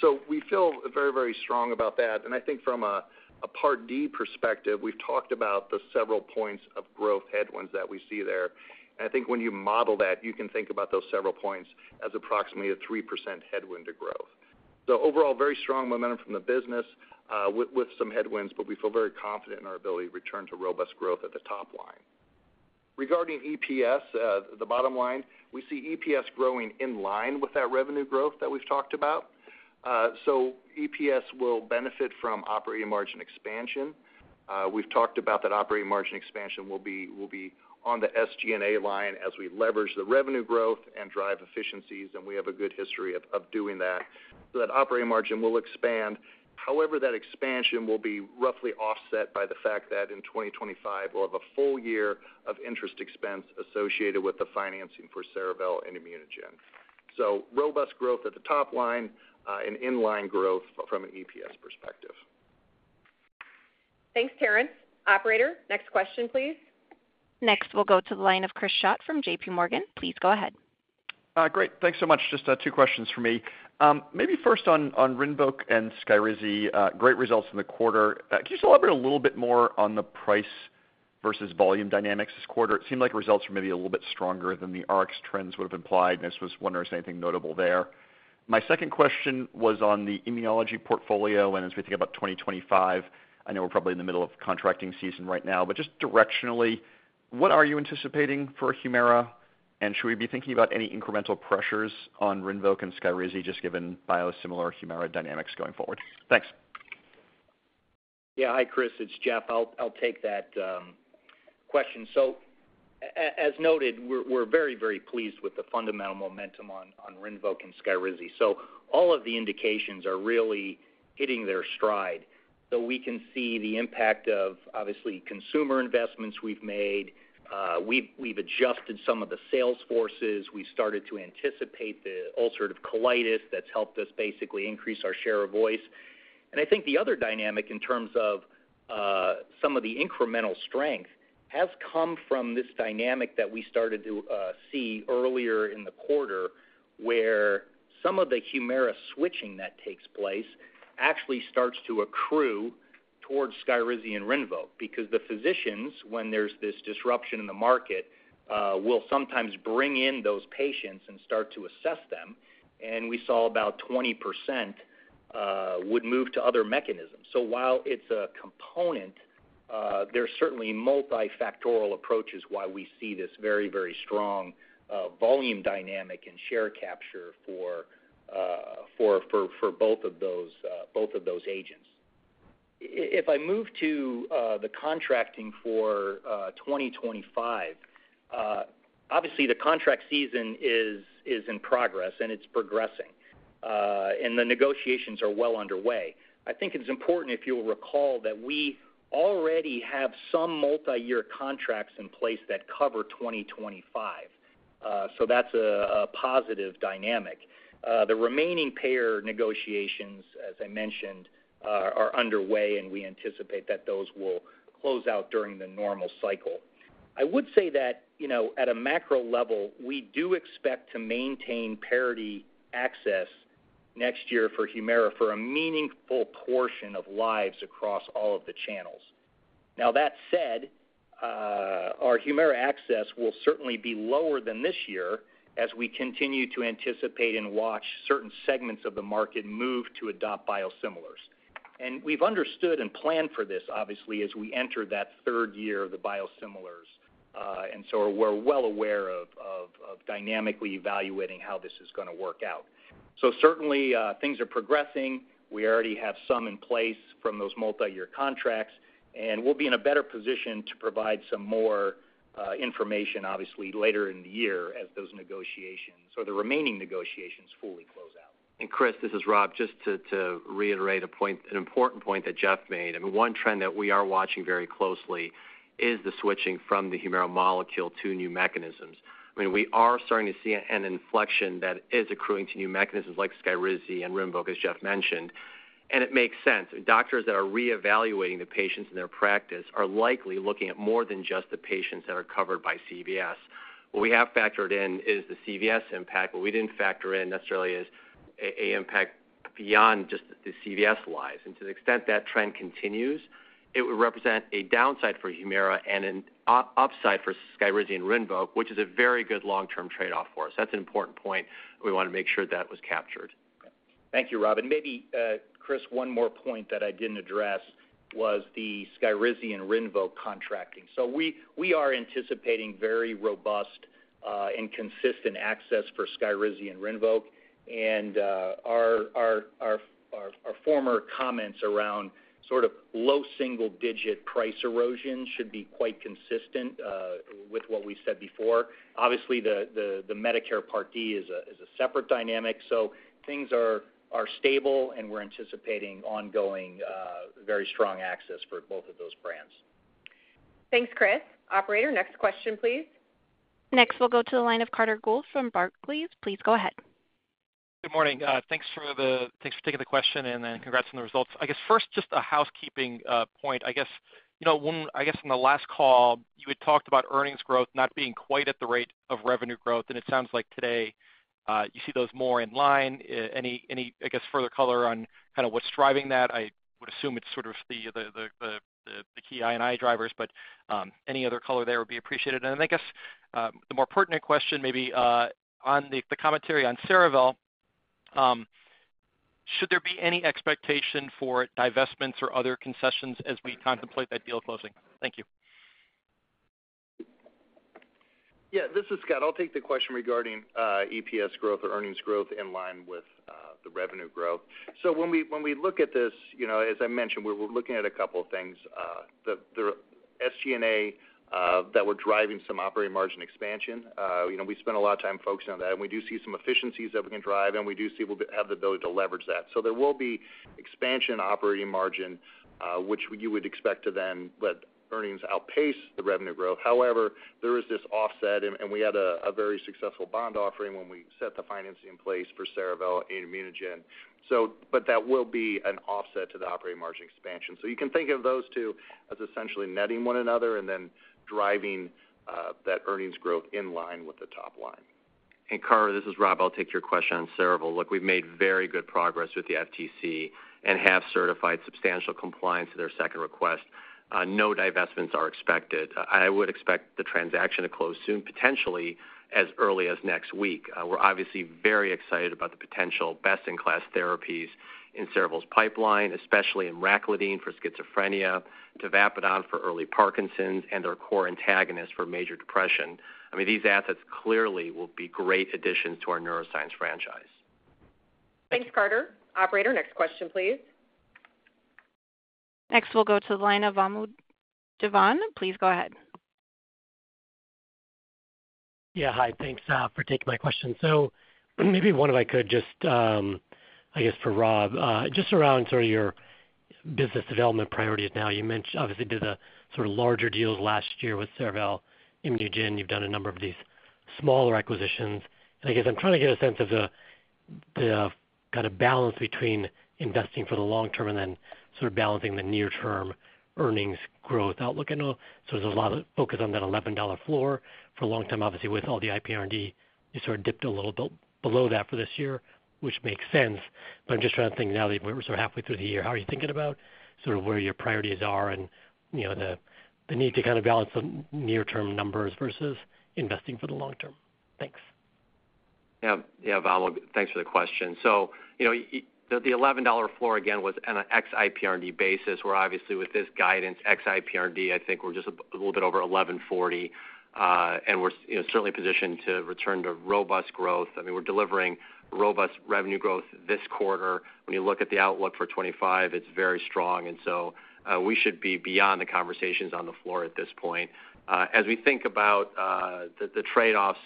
Speaker 7: So we feel very, very strong about that, and I think from a Part D perspective, we've talked about the several points of growth headwinds that we see there. And I think when you model that, you can think about those several points as approximately a 3% headwind to growth. So overall, very strong momentum from the business, with some headwinds, but we feel very confident in our ability to return to robust growth at the top line. Regarding EPS, the bottom line, we see EPS growing in line with that revenue growth that we've talked about. So EPS will benefit from operating margin expansion. We've talked about that operating margin expansion will be on the SG&A line as we leverage the revenue growth and drive efficiencies, and we have a good history of doing that. So that operating margin will expand. However, that expansion will be roughly offset by the fact that in 2025, we'll have a full year of interest expense associated with the financing for Cerevel and ImmunoGen. So robust growth at the top line, and in-line growth from an EPS perspective.
Speaker 2: Thanks, Terence. Operator, next question, please.
Speaker 1: Next, we'll go to the line of Chris Schott from JPMorgan. Please go ahead.
Speaker 9: Great. Thanks so much. Just two questions for me. Maybe first on RINVOQ and SKYRIZI, great results in the quarter. Can you elaborate a little bit more on the price versus volume dynamics this quarter? It seemed like results were maybe a little bit stronger than the RX trends would have implied, and I just was wondering if there's anything notable there. My second question was on the immunology portfolio, and as we think about 2025, I know we're probably in the middle of contracting season right now, but just directionally, what are you anticipating for HUMIRA, and should we be thinking about any incremental pressures on RINVOQ and SKYRIZI, just given biosimilar HUMIRA dynamics going forward? Thanks.
Speaker 4: Yeah. Hi, Chris. It's Jeff. I'll take that question. So as noted, we're very, very pleased with the fundamental momentum on RINVOQ and SKYRIZI. So all of the indications are really hitting their stride. So we can see the impact of, obviously, consumer investments we've made. We've adjusted some of the sales forces. We started to anticipate the ulcerative colitis. That's helped us basically increase our share of voice. And I think the other dynamic in terms of some of the incremental strength-... has come from this dynamic that we started to see earlier in the quarter, where some of the HUMIRA switching that takes place actually starts to accrue towards SKYRIZI and RINVOQ, because the physicians, when there's this disruption in the market, will sometimes bring in those patients and start to assess them, and we saw about 20% would move to other mechanisms. So while it's a component, there are certainly multifactorial approaches why we see this very, very strong volume dynamic and share capture for both of those agents. If I move to the contracting for 2025, obviously, the contract season is in progress, and it's progressing, and the negotiations are well underway. I think it's important, if you'll recall, that we already have some multiyear contracts in place that cover 2025. So that's a positive dynamic. The remaining payer negotiations, as I mentioned, are underway, and we anticipate that those will close out during the normal cycle. I would say that, you know, at a macro level, we do expect to maintain parity access next year for Humira for a meaningful portion of lives across all of the channels. Now, that said, our Humira access will certainly be lower than this year as we continue to anticipate and watch certain segments of the market move to adopt biosimilars. And we've understood and planned for this, obviously, as we enter that third year of the biosimilars, and so we're well aware of dynamically evaluating how this is gonna work out. So certainly, things are progressing. We already have some in place from those multiyear contracts, and we'll be in a better position to provide some more, information, obviously, later in the year as those negotiations or the remaining negotiations fully close out.
Speaker 3: Chris, this is Rob. Just to reiterate a point, an important point that Jeff made, I mean, one trend that we are watching very closely is the switching from the HUMIRA molecule to new mechanisms. I mean, we are starting to see an inflection that is accruing to new mechanisms like SKYRIZI and RINVOQ, as Jeff mentioned, and it makes sense. Doctors that are reevaluating the patients in their practice are likely looking at more than just the patients that are covered by CVS. What we have factored in is the CVS impact, what we didn't factor in necessarily is an impact beyond just the CVS lives. And to the extent that trend continues, it would represent a downside for HUMIRA and an upside for SKYRIZI and RINVOQ, which is a very good long-term trade-off for us. That's an important point. We want to make sure that was captured.
Speaker 4: Thank you, Rob. And maybe, Chris, one more point that I didn't address was the SKYRIZI and RINVOQ contracting. So we are anticipating very robust and consistent access for SKYRIZI and RINVOQ, and our former comments around sort of low single-digit price erosion should be quite consistent with what we said before. Obviously, the Medicare Part D is a separate dynamic, so things are stable, and we're anticipating ongoing very strong access for both of those brands.
Speaker 2: Thanks, Chris. Operator, next question, please.
Speaker 1: Next, we'll go to the line of Carter Gould from Barclays. Please go ahead.
Speaker 10: Good morning. Thanks for taking the question, and then congrats on the results. I guess first, just a housekeeping point. I guess, you know, when, I guess, on the last call, you had talked about earnings growth not being quite at the rate of revenue growth, and it sounds like today, you see those more in line. Any, I guess, further color on kind of what's driving that? I would assume it's sort of the key I&I drivers, but, any other color there would be appreciated. And I guess, the more pertinent question maybe, on the commentary on Cerevel, should there be any expectation for divestments or other concessions as we contemplate that deal closing? Thank you.
Speaker 7: Yeah, this is Scott. I'll take the question regarding, EPS growth or earnings growth in line with, the revenue growth. So when we, when we look at this, you know, as I mentioned, we're looking at a couple of things, the, the SG&A, that we're driving some operating margin expansion. You know, we spent a lot of time focusing on that, and we do see some efficiencies that we can drive, and we do see we'll have the ability to leverage that. So there will be expansion operating margin, which you would expect to then let earnings outpace the revenue growth. However, there is this offset, and, and we had a, a very successful bond offering when we set the financing in place for Cerevel and ImmunoGen. So, but that will be an offset to the operating margin expansion. So you can think of those two as essentially netting one another and then driving that earnings growth in line with the top line.
Speaker 3: Carter, this is Rob. I'll take your question on Cerevel. Look, we've made very good progress with the FTC and have certified substantial compliance to their second request. No divestments are expected. I would expect the transaction to close soon, potentially as early as next week. We're obviously very excited about the potential best-in-class therapies in Cerevel's pipeline, especially emraclidine for schizophrenia, tavapadon for early Parkinson's, and our KOR antagonist for major depression. I mean, these assets clearly will be great additions to our neuroscience franchise.
Speaker 2: Thanks, Carter. Operator, next question, please.
Speaker 1: Next, we'll go to the line of Vamil Divan. Please go ahead.
Speaker 11: Yeah, hi. Thanks for taking my question. So maybe one, if I could, just, I guess, for Rob, just around sort of your business development priorities now. You mentioned, obviously, did a sort of larger deal last year with Cerevel, ImmunoGen. You've done a number of these smaller acquisitions. I guess I'm trying to get a sense of the-... the kind of balance between investing for the long-term and then sort of balancing the near-term earnings growth outlook. I know, so there's a lot of focus on that $11 floor for a long time. Obviously, with all the IP R&D, you sort of dipped a little bit below that for this year, which makes sense. But I'm just trying to think now that we're sort of halfway through the year, how are you thinking about sort of where your priorities are and, you know, the, the need to kind of balance the near-term numbers versus investing for the long-term? Thanks.
Speaker 3: Yeah, yeah, Vamil, thanks for the question. So, you know, the $11 floor, again, was on an ex-IP R&D basis, where obviously with this guidance, ex-IP R&D, I think we're just a little bit over $11.40, and we're, you know, certainly positioned to return to robust growth. I mean, we're delivering robust revenue growth this quarter. When you look at the outlook for 2025, it's very strong, and so, we should be beyond the conversations on the floor at this point. As we think about the trade-offs,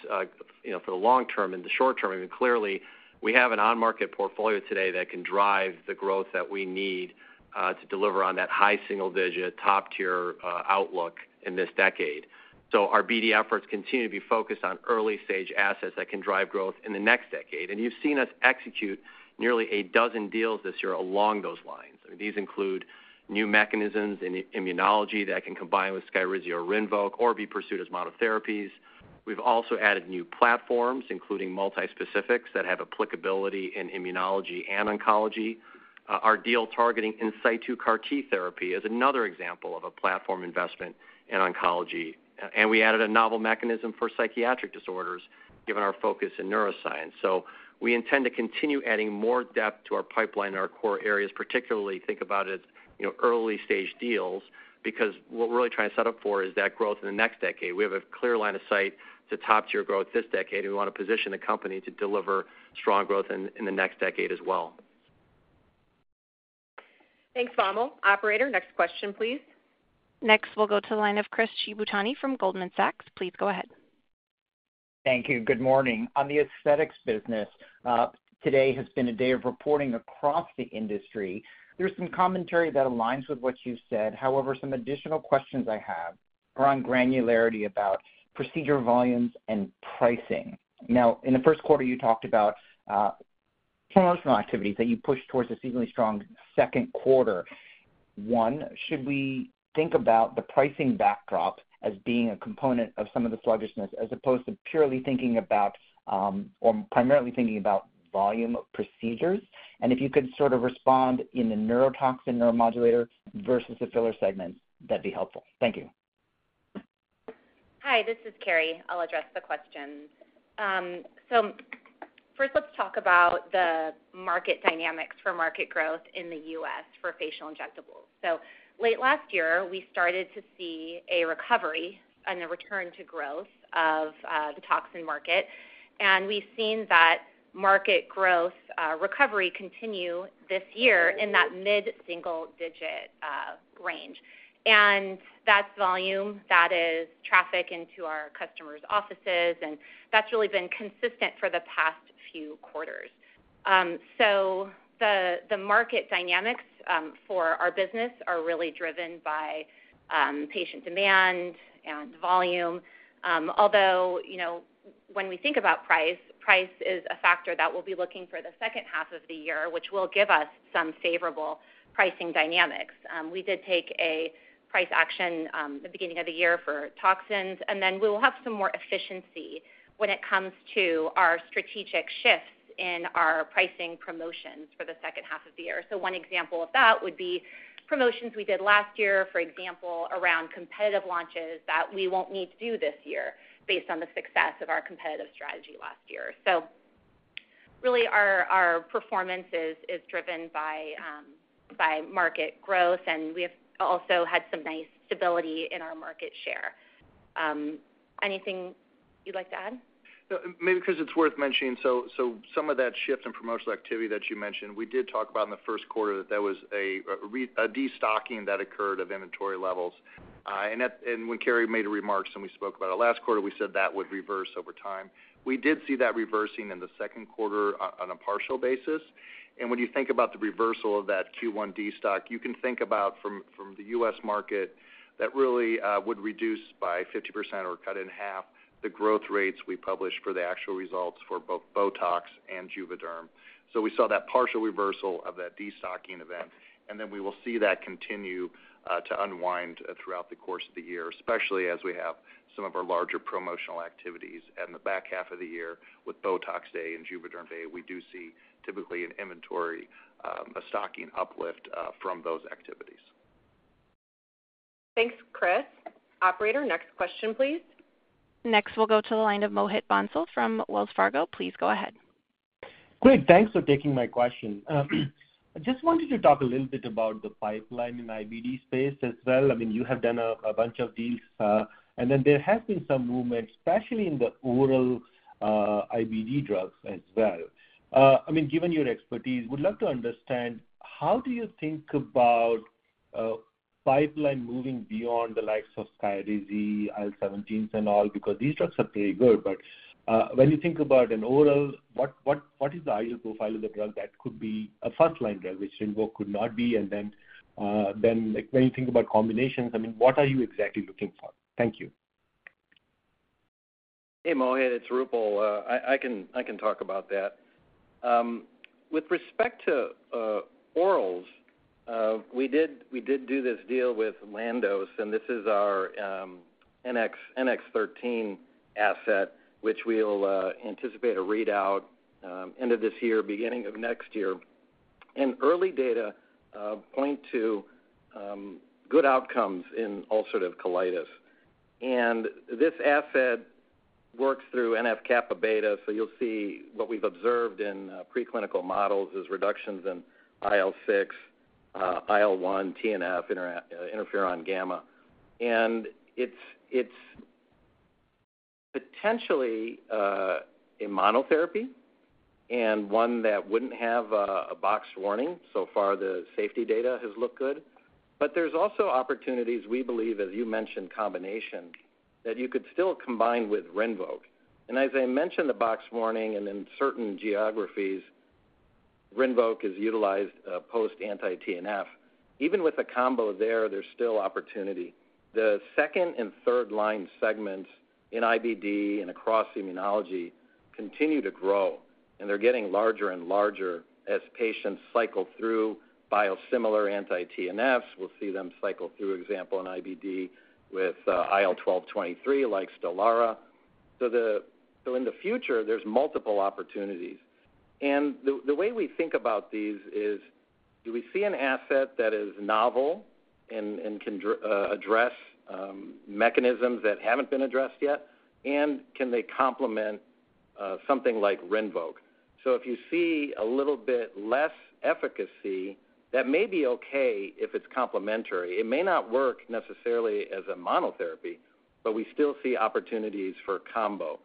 Speaker 3: you know, for the long-term and the short-term, I mean, clearly, we have an on-market portfolio today that can drive the growth that we need to deliver on that high single-digit, top-tier outlook in this decade. So our BD efforts continue to be focused on early-stage assets that can drive growth in the next decade, and you've seen us execute nearly a dozen deals this year along those lines. These include new mechanisms in immunology that can combine with SKYRIZI or RINVOQ or be pursued as monotherapies. We've also added new platforms, including multi-specifics, that have applicability in immunology and oncology. Our deal targeting in situ CAR T therapy is another example of a platform investment in oncology. We added a novel mechanism for psychiatric disorders, given our focus in neuroscience. So we intend to continue adding more depth to our pipeline in our core areas, particularly think about it, you know, early-stage deals, because what we're really trying to set up for is that growth in the next decade. We have a clear line of sight to top-tier growth this decade, and we want to position the company to deliver strong growth in the next decade as well.
Speaker 2: Thanks, Vamil. Operator, next question, please.
Speaker 1: Next, we'll go to the line of Chris Shibutani from Goldman Sachs. Please go ahead.
Speaker 12: Thank you. Good morning. On the aesthetics business, today has been a day of reporting across the industry. There's some commentary that aligns with what you've said. However, some additional questions I have are on granularity about procedure volumes and pricing. Now, in the first quarter, you talked about promotional activities that you pushed towards a seasonally strong second quarter. One, should we think about the pricing backdrop as being a component of some of the sluggishness, as opposed to purely thinking about, or primarily thinking about volume procedures? And if you could sort of respond in the neurotoxin, neuromodulator versus the filler segments, that'd be helpful. Thank you.
Speaker 5: Hi, this is Carrie. I'll address the questions. So first, let's talk about the market dynamics for market growth in the U.S. for facial injectables. So late last year, we started to see a recovery and a return to growth of, the toxin market, and we've seen that market growth, recovery continue this year in that mid-single-digit, range. And that's volume, that is traffic into our customers' offices, and that's really been consistent for the past few quarters. So the, the market dynamics, for our business are really driven by, patient demand and volume. Although, you know, when we think about price, price is a factor that we'll be looking for the second half of the year, which will give us some favorable pricing dynamics. We did take a price action, the beginning of the year for toxins, and then we will have some more efficiency when it comes to our strategic shifts in our pricing promotions for the second half of the year. So one example of that would be promotions we did last year, for example, around competitive launches that we won't need to do this year based on the success of our competitive strategy last year. So really, our, our performance is, is driven by, by market growth, and we have also had some nice stability in our market share. Anything you'd like to add?
Speaker 3: No, maybe because it's worth mentioning, so some of that shift in promotional activity that you mentioned, we did talk about in the first quarter, that there was a destocking that occurred of inventory levels. And when Carrie made her remarks and we spoke about it last quarter, we said that would reverse over time. We did see that reversing in the second quarter on a partial basis. And when you think about the reversal of that Q1 destock, you can think about from the U.S. market, that really would reduce by 50% or cut in half the growth rates we published for the actual results for both BOTOX and JUVÉDERM. So we saw that partial reversal of that destocking event, and then we will see that continue to unwind throughout the course of the year, especially as we have some of our larger promotional activities in the back half of the year with BOTOX Day and JUVÉDERM Day. We do see typically an inventory stocking uplift from those activities.
Speaker 2: Thanks, Chris. Operator, next question, please.
Speaker 1: Next, we'll go to the line of Mohit Bansal from Wells Fargo. Please go ahead.
Speaker 13: Great, thanks for taking my question. I just wanted to talk a little bit about the pipeline in IBD space as well. I mean, you have done a bunch of deals, and then there have been some movements, especially in the oral IBD drugs as well. I mean, given your expertise, would love to understand, how do you think about pipeline moving beyond the likes of SKYRIZI, IL-17s and all? Because these drugs are pretty good, but when you think about an oral, what is the ideal profile of the drug that could be a first-line drug, which RINVOQ could not be? And then when you think about combinations, I mean, what are you exactly looking for? Thank you....
Speaker 6: Hey, Mohit, it's Roopal. I can talk about that. With respect to orals, we did do this deal with Landos, and this is our NX-13 asset, which we'll anticipate a readout end of this year, beginning of next year. And early data point to good outcomes in ulcerative colitis. And this asset works through NF-kappa beta, so you'll see what we've observed in preclinical models is reductions in IL-6, IL-1, TNF, interferon gamma. And it's potentially a monotherapy and one that wouldn't have a box warning. So far, the safety data has looked good. But there's also opportunities, we believe, as you mentioned, combination, that you could still combine with RINVOQ. And as I mentioned, the box warning, and in certain geographies, RINVOQ is utilized post anti-TNF. Even with the combo there, there's still opportunity. The second and third line segments in IBD and across immunology continue to grow, and they're getting larger and larger as patients cycle through biosimilar anti-TNFs. We'll see them cycle through, example, in IBD with IL-12/23, like STELARA. So in the future, there's multiple opportunities. And the way we think about these is, do we see an asset that is novel and can address mechanisms that haven't been addressed yet? And can they complement something like RINVOQ? So if you see a little bit less efficacy, that may be okay if it's complementary. It may not work necessarily as a monotherapy, but we still see opportunities for combo.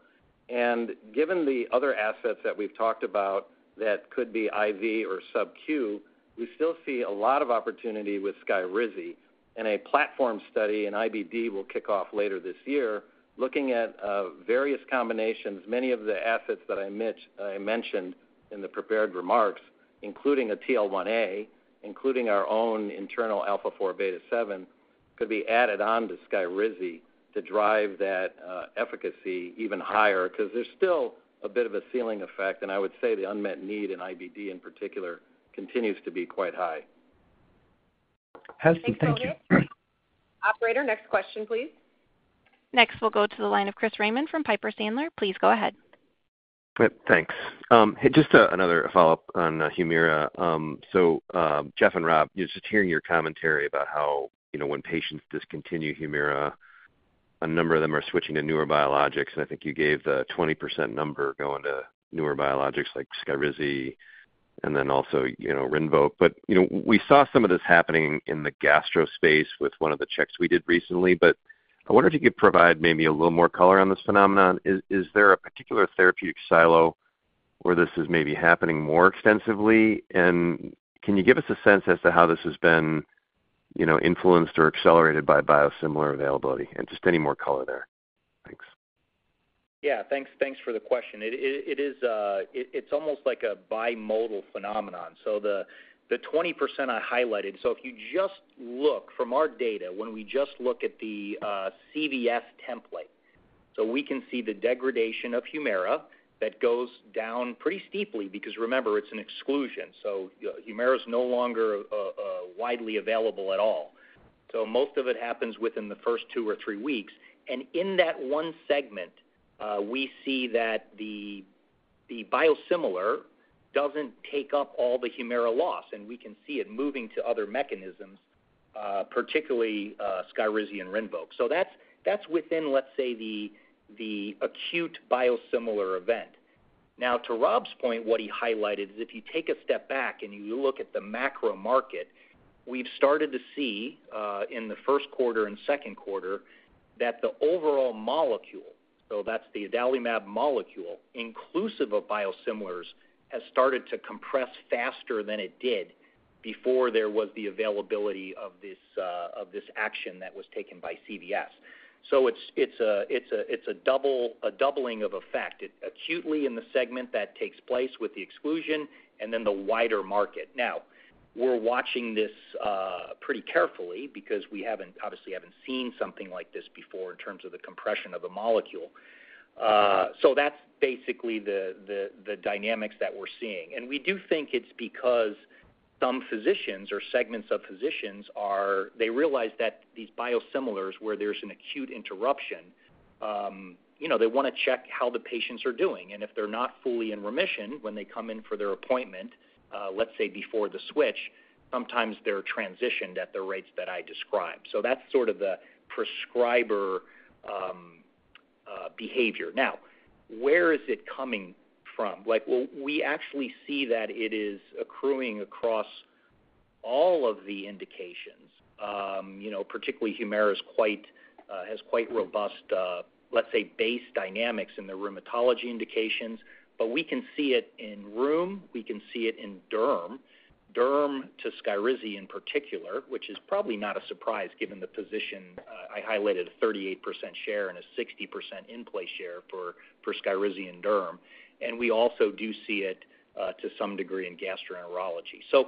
Speaker 6: And given the other assets that we've talked about that could be IV or sub-Q, we still see a lot of opportunity with SKYRIZI, and a platform study in IBD will kick off later this year, looking at various combinations, many of the assets that I mentioned in the prepared remarks, including a TL1A, including our own internal alpha-4 beta-7, could be added on to SKYRIZI to drive that efficacy even higher. 'Cause there's still a bit of a ceiling effect, and I would say the unmet need in IBD, in particular, continues to be quite high.
Speaker 13: Thank you.
Speaker 2: Operator, next question, please.
Speaker 1: Next, we'll go to the line of Chris Raymond from Piper Sandler. Please go ahead.
Speaker 14: Thanks. Just another follow-up on HUMIRA. So, Jeff and Rob, just hearing your commentary about how, you know, when patients discontinue HUMIRA, a number of them are switching to newer biologics, and I think you gave the 20% number going to newer biologics like SKYRIZI, and then also, you know, RINVOQ. But, you know, we saw some of this happening in the gastro space with one of the checks we did recently, but I wonder if you could provide maybe a little more color on this phenomenon. Is there a particular therapeutic silo where this is maybe happening more extensively? And can you give us a sense as to how this has been, you know, influenced or accelerated by biosimilar availability? And just any more color there. Thanks.
Speaker 4: Yeah, thanks, thanks for the question. It is. It's almost like a bimodal phenomenon. So the 20% I highlighted. So if you just look from our data, when we just look at the CVS template, so we can see the degradation of HUMIRA that goes down pretty steeply, because remember, it's an exclusion, so HUMIRA is no longer widely available at all. So most of it happens within the first two or three weeks. And in that one segment, we see that the biosimilar doesn't take up all the HUMIRA loss, and we can see it moving to other mechanisms, particularly SKYRIZI and RINVOQ. So that's within, let's say, the acute biosimilar event. Now, to Rob's point, what he highlighted is if you take a step back and you look at the macro market, we've started to see, in the first quarter and second quarter, that the overall molecule, so that's the adalimumab molecule, inclusive of biosimilars, has started to compress faster than it did before there was the availability of this action that was taken by CVS. So it's a doubling of effect, acutely in the segment that takes place with the exclusion and then the wider market. Now, we're watching this pretty carefully because we haven't obviously seen something like this before in terms of the compression of the molecule. So that's basically the dynamics that we're seeing. And we do think it's because some physicians or segments of physicians are they realize that these biosimilars, where there's an acute interruption, you know, they wanna check how the patients are doing. And if they're not fully in remission, when they come in for their appointment, let's say before the switch, sometimes they're transitioned at the rates that I described. So that's sort of the prescriber, behavior. Now, where is it coming from? Like, well, we actually see that it is accruing across all of the indications. You know, particularly HUMIRA is quite, has quite robust, let's say, base dynamics in the rheumatology indications, but we can see it in rheum, we can see it in derm. Derm to SKYRIZI, in particular, which is probably not a surprise, given the position I highlighted a 38% share and a 60% in-play share for SKYRIZI in derm. And we also do see it to some degree in gastroenterology.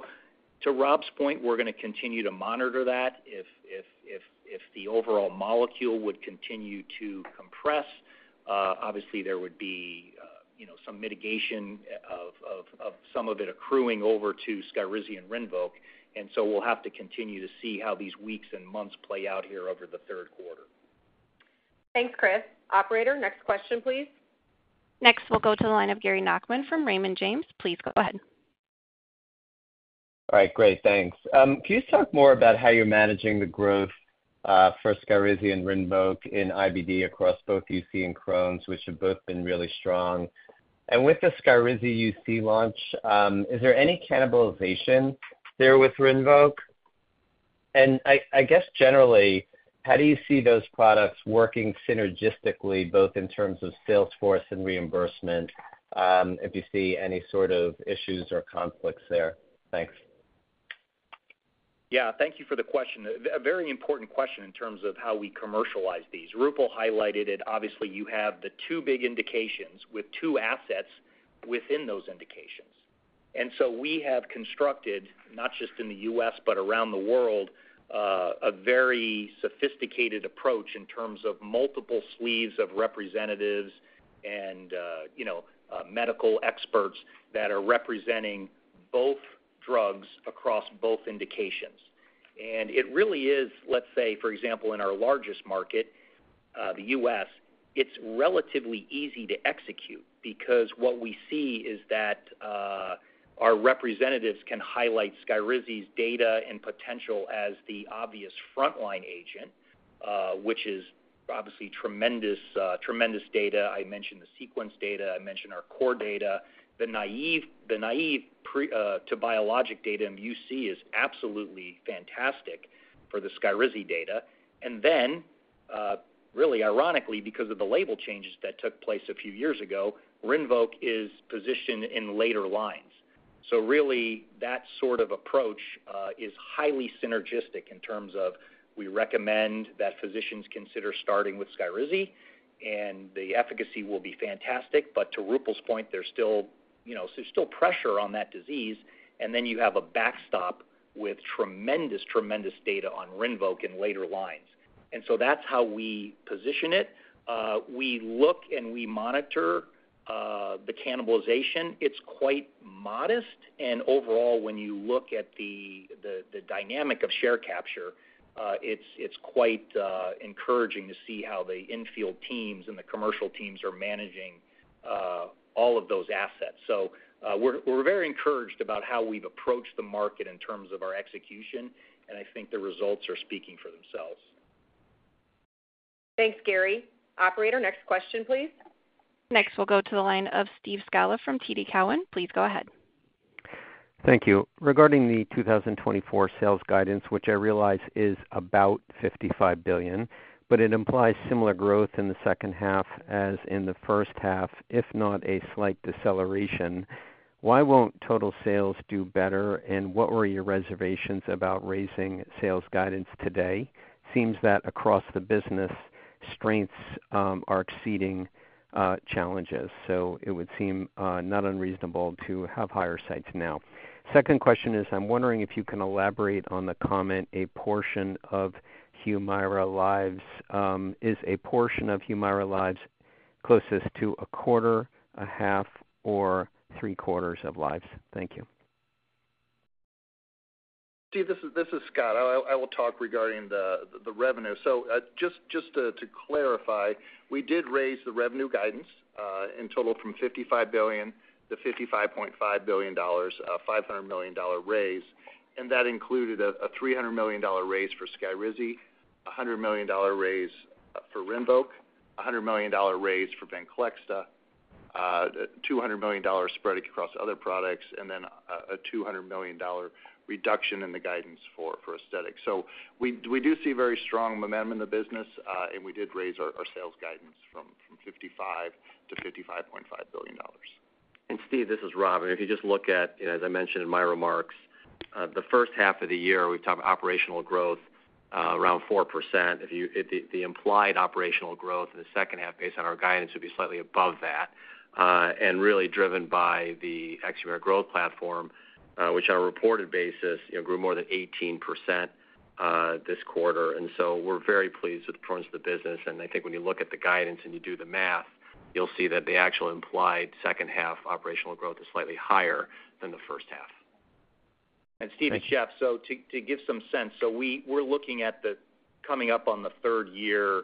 Speaker 4: To Rob's point, we're gonna continue to monitor that. If the overall molecule would continue to compress, obviously, there would be, you know, some mitigation of some of it accruing over to SKYRIZI and RINVOQ, and so we'll have to continue to see how these weeks and months play out here over the third quarter.
Speaker 2: Thanks, Chris. Operator, next question, please.
Speaker 1: Next, we'll go to the line of Gary Nachman from Raymond James. Please go ahead.
Speaker 15: All right, great. Thanks. Can you talk more about how you're managing the growth for SKYRIZI and RINVOQ in IBD across both UC and Crohn's, which have both been really strong? And with the SKYRIZI UC launch, is there any cannibalization there with RINVOQ? And I guess, generally, how do you see those products working synergistically, both in terms of sales force and reimbursement, if you see any sort of issues or conflicts there? Thanks.
Speaker 4: Yeah, thank you for the question. A very important question in terms of how we commercialize these. Roopal highlighted it. Obviously, you have the two big indications with two assets within those indications. And so we have constructed, not just in the U.S., but around the world, a very sophisticated approach in terms of multiple sleeves of representatives and, you know, medical experts that are representing both drugs across both indications. And it really is, let's say, for example, in our largest market, the U.S., it's relatively easy to execute because what we see is that, our representatives can highlight SKYRIZI's data and potential as the obvious frontline agent, which is obviously tremendous, tremendous data. I mentioned the sequence data, I mentioned our core data. The naive, the naive pre- to biologic data in UC is absolutely fantastic for the SKYRIZI data. Then, really ironically, because of the label changes that took place a few years ago, RINVOQ is positioned in later lines. So really, that sort of approach is highly synergistic in terms of we recommend that physicians consider starting with SKYRIZI, and the efficacy will be fantastic. But to Roopal's point, there's still, you know, there's still pressure on that disease, and then you have a backstop with tremendous, tremendous data on RINVOQ in later lines. And so that's how we position it. We look and we monitor the cannibalization. It's quite modest, and overall, when you look at the dynamic of share capture, it's quite encouraging to see how the infield teams and the commercial teams are managing all of those assets. So, we're very encouraged about how we've approached the market in terms of our execution, and I think the results are speaking for themselves.
Speaker 2: Thanks, Gary. Operator, next question, please.
Speaker 1: Next, we'll go to the line of Steve Scala from TD Cowen. Please go ahead.
Speaker 16: Thank you. Regarding the 2024 sales guidance, which I realize is about $55 billion, but it implies similar growth in the second half as in the first half, if not a slight deceleration. Why won't total sales do better? And what were your reservations about raising sales guidance today? Seems that across the business, strengths are exceeding challenges, so it would seem not unreasonable to have higher sights now. Second question is, I'm wondering if you can elaborate on the comment, a portion of HUMIRA lives, is a portion of HUMIRA lives closest to 1/4, 1/2, or 3/4 of lives? Thank you.
Speaker 7: Steve, this is Scott. I will talk regarding the revenue. So, just to clarify, we did raise the revenue guidance in total from $55 billion to $55.5 billion, $500 million raise, and that included a $300 million raise for SKYRIZI, a $100 million raise for RINVOQ, a $100 million raise for VENCLEXTA, $200 million spread across other products, and then a $200 million reduction in the guidance for aesthetics. So we do see very strong momentum in the business, and we did raise our sales guidance from $55 billion to $55.5 billion.
Speaker 3: Steve, this is Rob. If you just look at, as I mentioned in my remarks, the first half of the year, we've talked about operational growth around 4%. The implied operational growth in the second half based on our guidance would be slightly above that, and really driven by the ex-HUMIRA growth platform, which on a reported basis, you know, grew more than 18%, this quarter. So we're very pleased with the performance of the business, and I think when you look at the guidance and you do the math, you'll see that the actual implied second half operational growth is slightly higher than the first half.
Speaker 16: Thanks.
Speaker 4: And Steve, it's Jeff. To give some sense, we're looking at coming up on the third year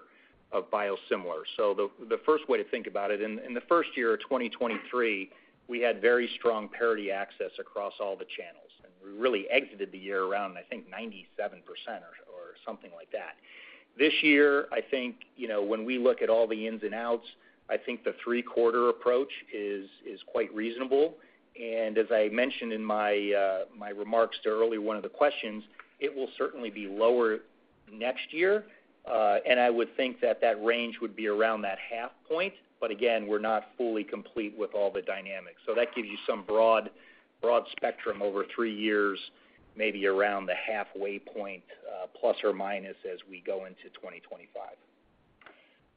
Speaker 4: of biosimilar. The first way to think about it, in the first year of 2023, we had very strong parity access across all the channels, and we really exited the year around, I think, 97% or something like that. This year, I think, you know, when we look at all the ins and outs, I think the 3/4 approach is quite reasonable. And as I mentioned in my remarks earlier to one of the questions, it will certainly be lower next year, and I would think that that range would be around that 1/2 point. But again, we're not fully complete with all the dynamics. So that gives you some broad, broad spectrum over three years, maybe around the halfway point, plus or minus, as we go into 2025....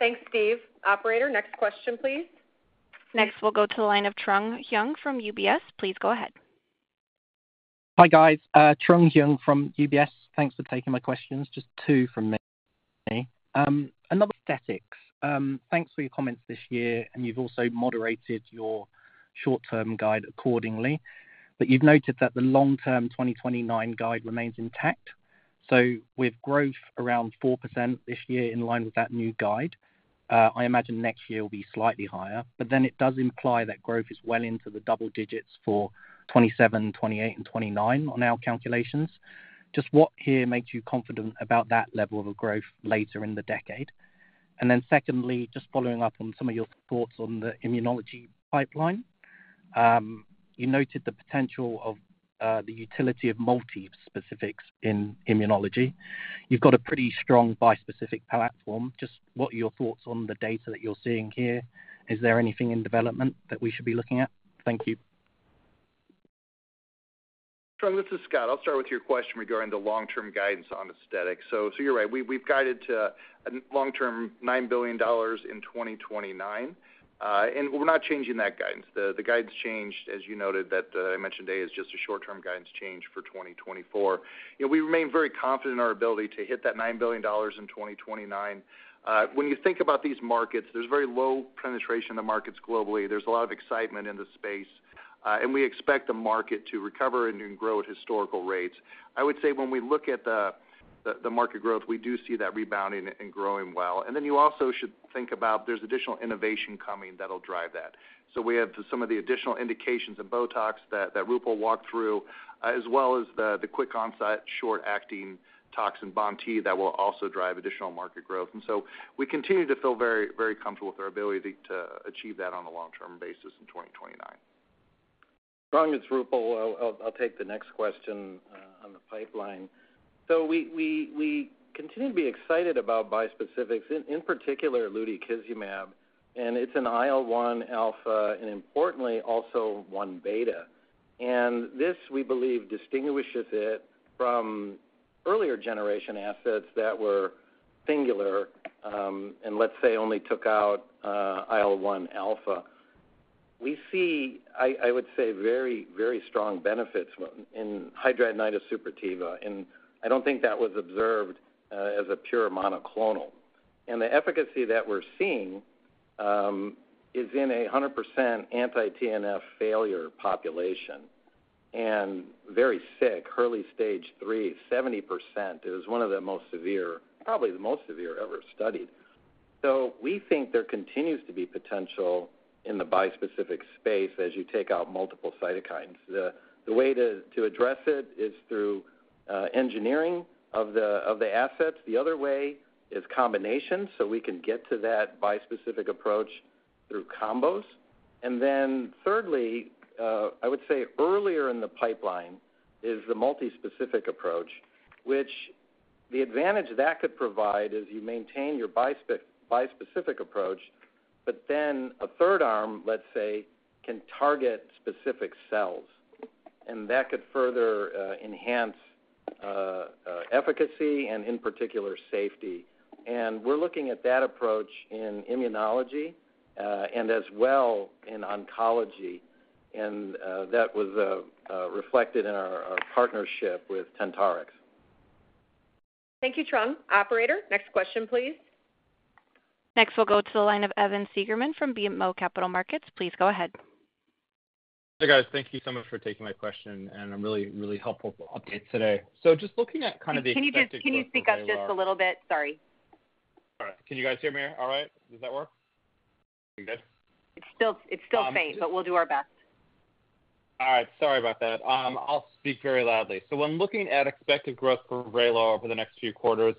Speaker 2: Thanks, Steve. Operator, next question, please.
Speaker 1: Next, we'll go to the line of Trung Huynh from UBS. Please go ahead.
Speaker 17: Hi, guys, Trung Huynh from UBS. Thanks for taking my questions. Just two from me. Aesthetics. Thanks for your comments this year, and you've also moderated your short-term guide accordingly. But you've noted that the long-term 2029 guide remains intact. So with growth around 4% this year, in line with that new guide, I imagine next year will be slightly higher, but then it does imply that growth is well into the double digits for 2027, 2028, and 2029 on our calculations. Just what here makes you confident about that level of growth later in the decade? And then secondly, just following up on some of your thoughts on the immunology pipeline. You noted the potential of the utility of multi-specifics in immunology. You've got a pretty strong bispecific platform. Just what are your thoughts on the data that you're seeing here? Is there anything in development that we should be looking at? Thank you.
Speaker 7: Trung, this is Scott. I'll start with your question regarding the long-term guidance on aesthetics. So, so you're right. We, we've guided to a long-term $9 billion in 2029, and we're not changing that guidance. The, the guidance changed, as you noted, that I mentioned today, is just a short-term guidance change for 2024. You know, we remain very confident in our ability to hit that $9 billion in 2029. When you think about these markets, there's very low penetration in the markets globally. There's a lot of excitement in the space, and we expect the market to recover and, and grow at historical rates. I would say when we look at the, the, the market growth, we do see that rebounding and growing well. And then you also should think about there's additional innovation coming that'll drive that. So we have some of the additional indications of BOTOX that Roopal walked through, as well as the quick onset, short-acting toxin, BoNT/E, that will also drive additional market growth. And so we continue to feel very, very comfortable with our ability to achieve that on a long-term basis in 2029.
Speaker 6: Trung, it's Roopal. I'll take the next question on the pipeline. So we continue to be excited about bispecifics, in particular, lutikizumab, and it's an IL-1 alpha, and importantly, also 1 beta. And this, we believe, distinguishes it from earlier generation assets that were singular, and let's say, only took out IL-1 alpha. We see, I would say, very, very strong benefits in hidradenitis suppurativa, and I don't think that was observed as a pure monoclonal. And the efficacy that we're seeing is in a 100% anti-TNF failure population and very sick, early Stage III, 70%. It was one of the most severe, probably the most severe ever studied. So we think there continues to be potential in the bispecific space as you take out multiple cytokines. The way to address it is through engineering of the assets. The other way is combination, so we can get to that bispecific approach through combos. And then thirdly, I would say earlier in the pipeline is the multispecific approach, which the advantage that could provide is you maintain your bispecific approach, but then a third arm, let's say, can target specific cells, and that could further enhance efficacy and in particular, safety. And we're looking at that approach in immunology and as well in oncology, and that was reflected in our partnership with Tentarix.
Speaker 2: Thank you, Trung. Operator, next question, please.
Speaker 1: Next, we'll go to the line of Evan Seigerman from BMO Capital Markets. Please go ahead.
Speaker 18: Hey, guys. Thank you so much for taking my question, and a really, really helpful update today. So just looking at kind of the-
Speaker 2: Can you speak up just a little bit? Sorry.
Speaker 18: All right. Can you guys hear me all right? Does that work? Good.
Speaker 2: It's still faint, but we'll do our best.
Speaker 18: All right. Sorry about that. I'll speak very loudly. So when looking at expected growth for VRAYLAR over the next few quarters,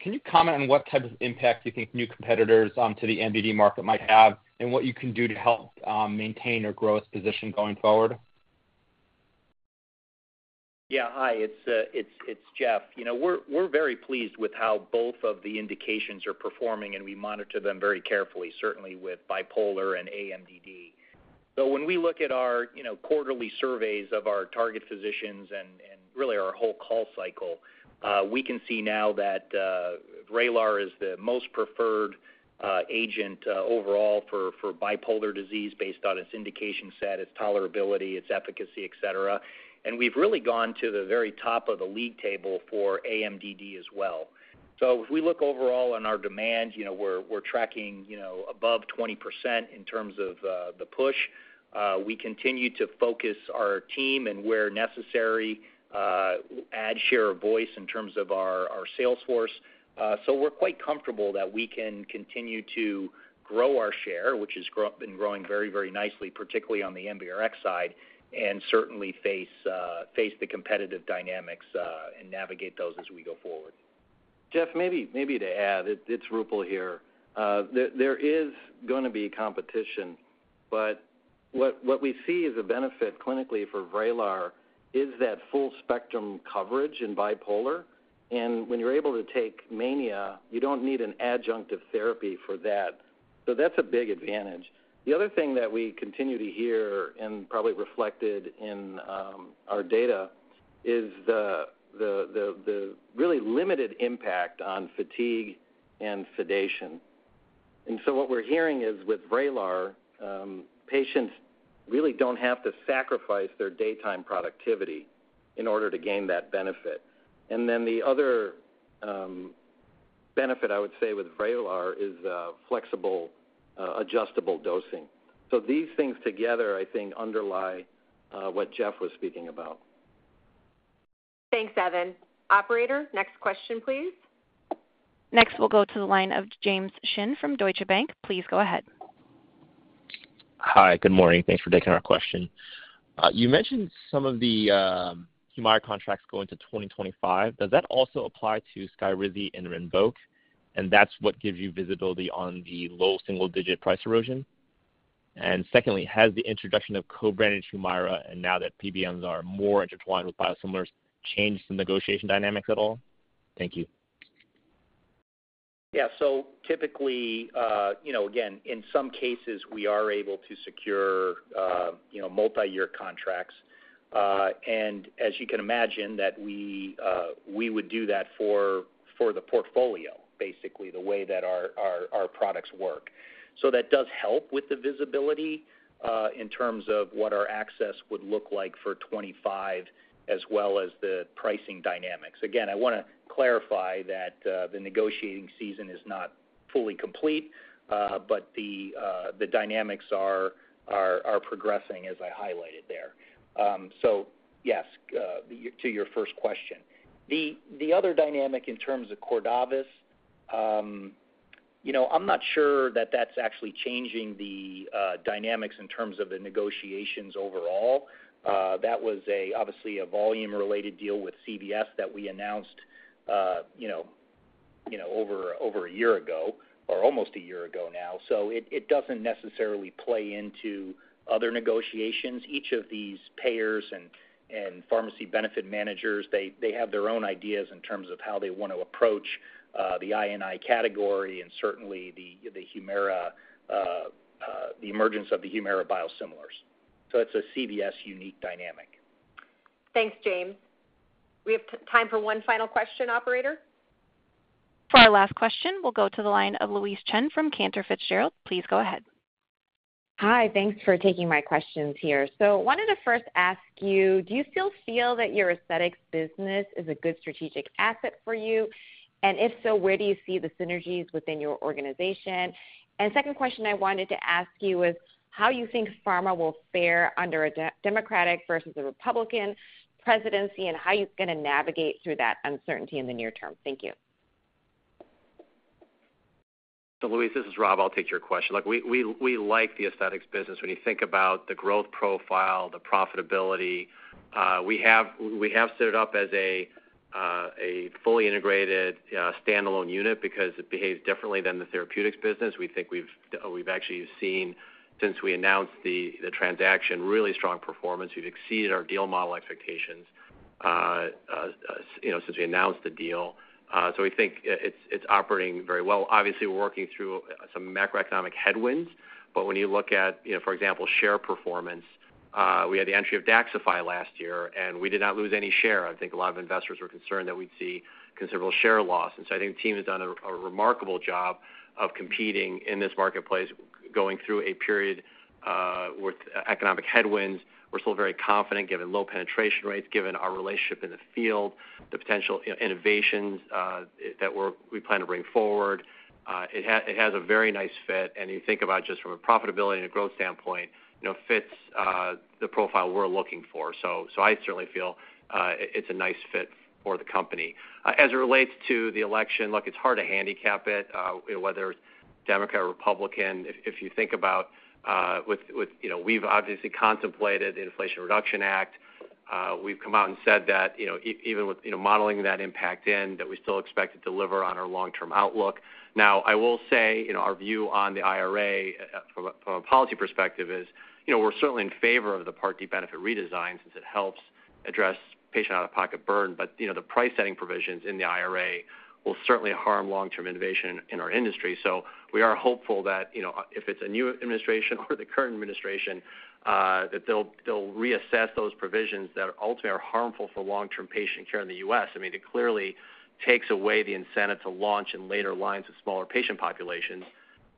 Speaker 18: can you comment on what type of impact you think new competitors to the MDD market might have and what you can do to help maintain your growth position going forward?
Speaker 4: Yeah. Hi, it's Jeff. You know, we're very pleased with how both of the indications are performing, and we monitor them very carefully, certainly with bipolar and aMDD]. So when we look at our, you know, quarterly surveys of our target physicians and really our whole call cycle, we can see now that VRAYLAR is the most preferred agent overall for bipolar disease based on its indication set, its tolerability, its efficacy, et cetera. And we've really gone to the very top of the league table for aMDD as well. So if we look overall on our demand, you know, we're tracking above 20% in terms of the push. We continue to focus our team, and where necessary, add share of voice in terms of our sales force. So we're quite comfortable that we can continue to grow our share, which has been growing very, very nicely, particularly on the NBRX side, and certainly face the competitive dynamics, and navigate those as we go forward.
Speaker 6: Jeff, maybe to add, it's Roopal here. There is gonna be competition, but what we see as a benefit clinically for VRAYLAR is that full-spectrum coverage in bipolar. And when you're able to take mania, you don't need an adjunctive therapy for that. So that's a big advantage. The other thing that we continue to hear, and probably reflected in our data, is the really limited impact on fatigue and sedation. And so what we're hearing is, with VRAYLAR, patients really don't have to sacrifice their daytime productivity in order to gain that benefit. And then the other benefit I would say with VRAYLAR is flexible adjustable dosing. So these things together, I think, underlie what Jeff was speaking about.
Speaker 2: Thanks, Evan. Operator, next question, please.
Speaker 1: Next, we'll go to the line of James Shin from Deutsche Bank. Please go ahead.
Speaker 19: Hi, good morning. Thanks for taking our question. You mentioned some of the, HUMIRA contracts go into 2025. Does that also apply to SKYRIZI and RINVOQ, and that's what gives you visibility on the low single-digit price erosion? And secondly, has the introduction of co-branded HUMIRA, and now that PBMs are more intertwined with biosimilars, changed the negotiation dynamics at all? Thank you.
Speaker 3: Yeah. So typically, you know, again, in some cases, we are able to secure, you know, multiyear contracts. And as you can imagine, that we, we would do that for, for the portfolio, basically, the way that our, our, our products work. So that does help with the visibility, in terms of what our access would look like for 2025, as well as the pricing dynamics. Again, I wanna clarify that, the negotiating season is not fully complete, but the, the dynamics are, are, are progressing as I highlighted there. So yes, to your first question. The, the other dynamic in terms of Cordavis, you know, I'm not sure that that's actually changing the, dynamics in terms of the negotiations overall. That was, obviously, a volume-related deal with CVS that we announced, you know, over a year ago, or almost a year ago now. So it doesn't necessarily play into other negotiations. Each of these payers and pharmacy benefit managers, they have their own ideas in terms of how they want to approach the I&I category and certainly the emergence of the HUMIRA biosimilars. So it's a CVS-unique dynamic.
Speaker 2: Thanks, James. We have time for one final question, operator.
Speaker 1: For our last question, we'll go to the line of Louise Chen from Cantor Fitzgerald. Please go ahead.
Speaker 20: Hi, thanks for taking my questions here. So wanted to first ask you, do you still feel that your aesthetics business is a good strategic asset for you? And if so, where do you see the synergies within your organization? And second question I wanted to ask you is, how you think pharma will fare under a Democratic versus a Republican presidency, and how you're gonna navigate through that uncertainty in the near-term? Thank you.
Speaker 3: So, Louise, this is Rob. I'll take your question. Look, we like the aesthetics business. When you think about the growth profile, the profitability, we have set it up as a fully integrated standalone unit because it behaves differently than the therapeutics business. We think we've actually seen, since we announced the transaction, really strong performance. We've exceeded our deal model expectations, you know, since we announced the deal. So we think it's operating very well. Obviously, we're working through some macroeconomic headwinds, but when you look at, you know, for example, share performance, we had the entry of DAXXIFY last year, and we did not lose any share. I think a lot of investors were concerned that we'd see considerable share loss. So I think the team has done a remarkable job of competing in this marketplace, going through a period with economic headwinds. We're still very confident, given low penetration rates, given our relationship in the field, the potential innovations that we plan to bring forward. It has a very nice fit, and you think about just from a profitability and a growth standpoint, you know, fits the profile we're looking for. So I certainly feel it's a nice fit for the company. As it relates to the election, look, it's hard to handicap it, whether it's Democrat or Republican. If you think about, with... You know, we've obviously contemplated the Inflation Reduction Act. We've come out and said that, you know, even with, you know, modeling that impact in, that we still expect to deliver on our long-term outlook. Now, I will say, you know, our view on the IRA, from a policy perspective is, you know, we're certainly in favor of the Part D benefit redesign, since it helps address patient out-of-pocket burden. But, you know, the price-setting provisions in the IRA will certainly harm long-term innovation in our industry. So we are hopeful that, you know, if it's a new administration or the current administration, that they'll reassess those provisions that are ultimately harmful for long-term patient care in the U.S. I mean, it clearly takes away the incentive to launch in later lines of smaller patient populations,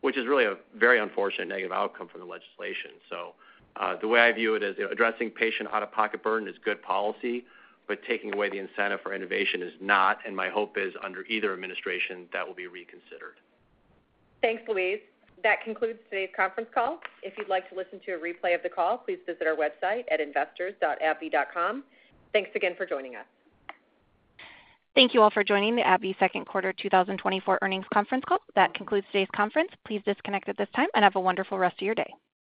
Speaker 3: which is really a very unfortunate negative outcome from the legislation. The way I view it is, addressing patient out-of-pocket burden is good policy, but taking away the incentive for innovation is not, and my hope is, under either administration, that will be reconsidered.
Speaker 2: Thanks, Louise. That concludes today's conference call. If you'd like to listen to a replay of the call, please visit our website at investors.abbvie.com. Thanks again for joining us.
Speaker 1: Thank you all for joining the AbbVie Second Quarter 2024 Earnings Conference Call. That concludes today's conference. Please disconnect at this time, and have a wonderful rest of your day.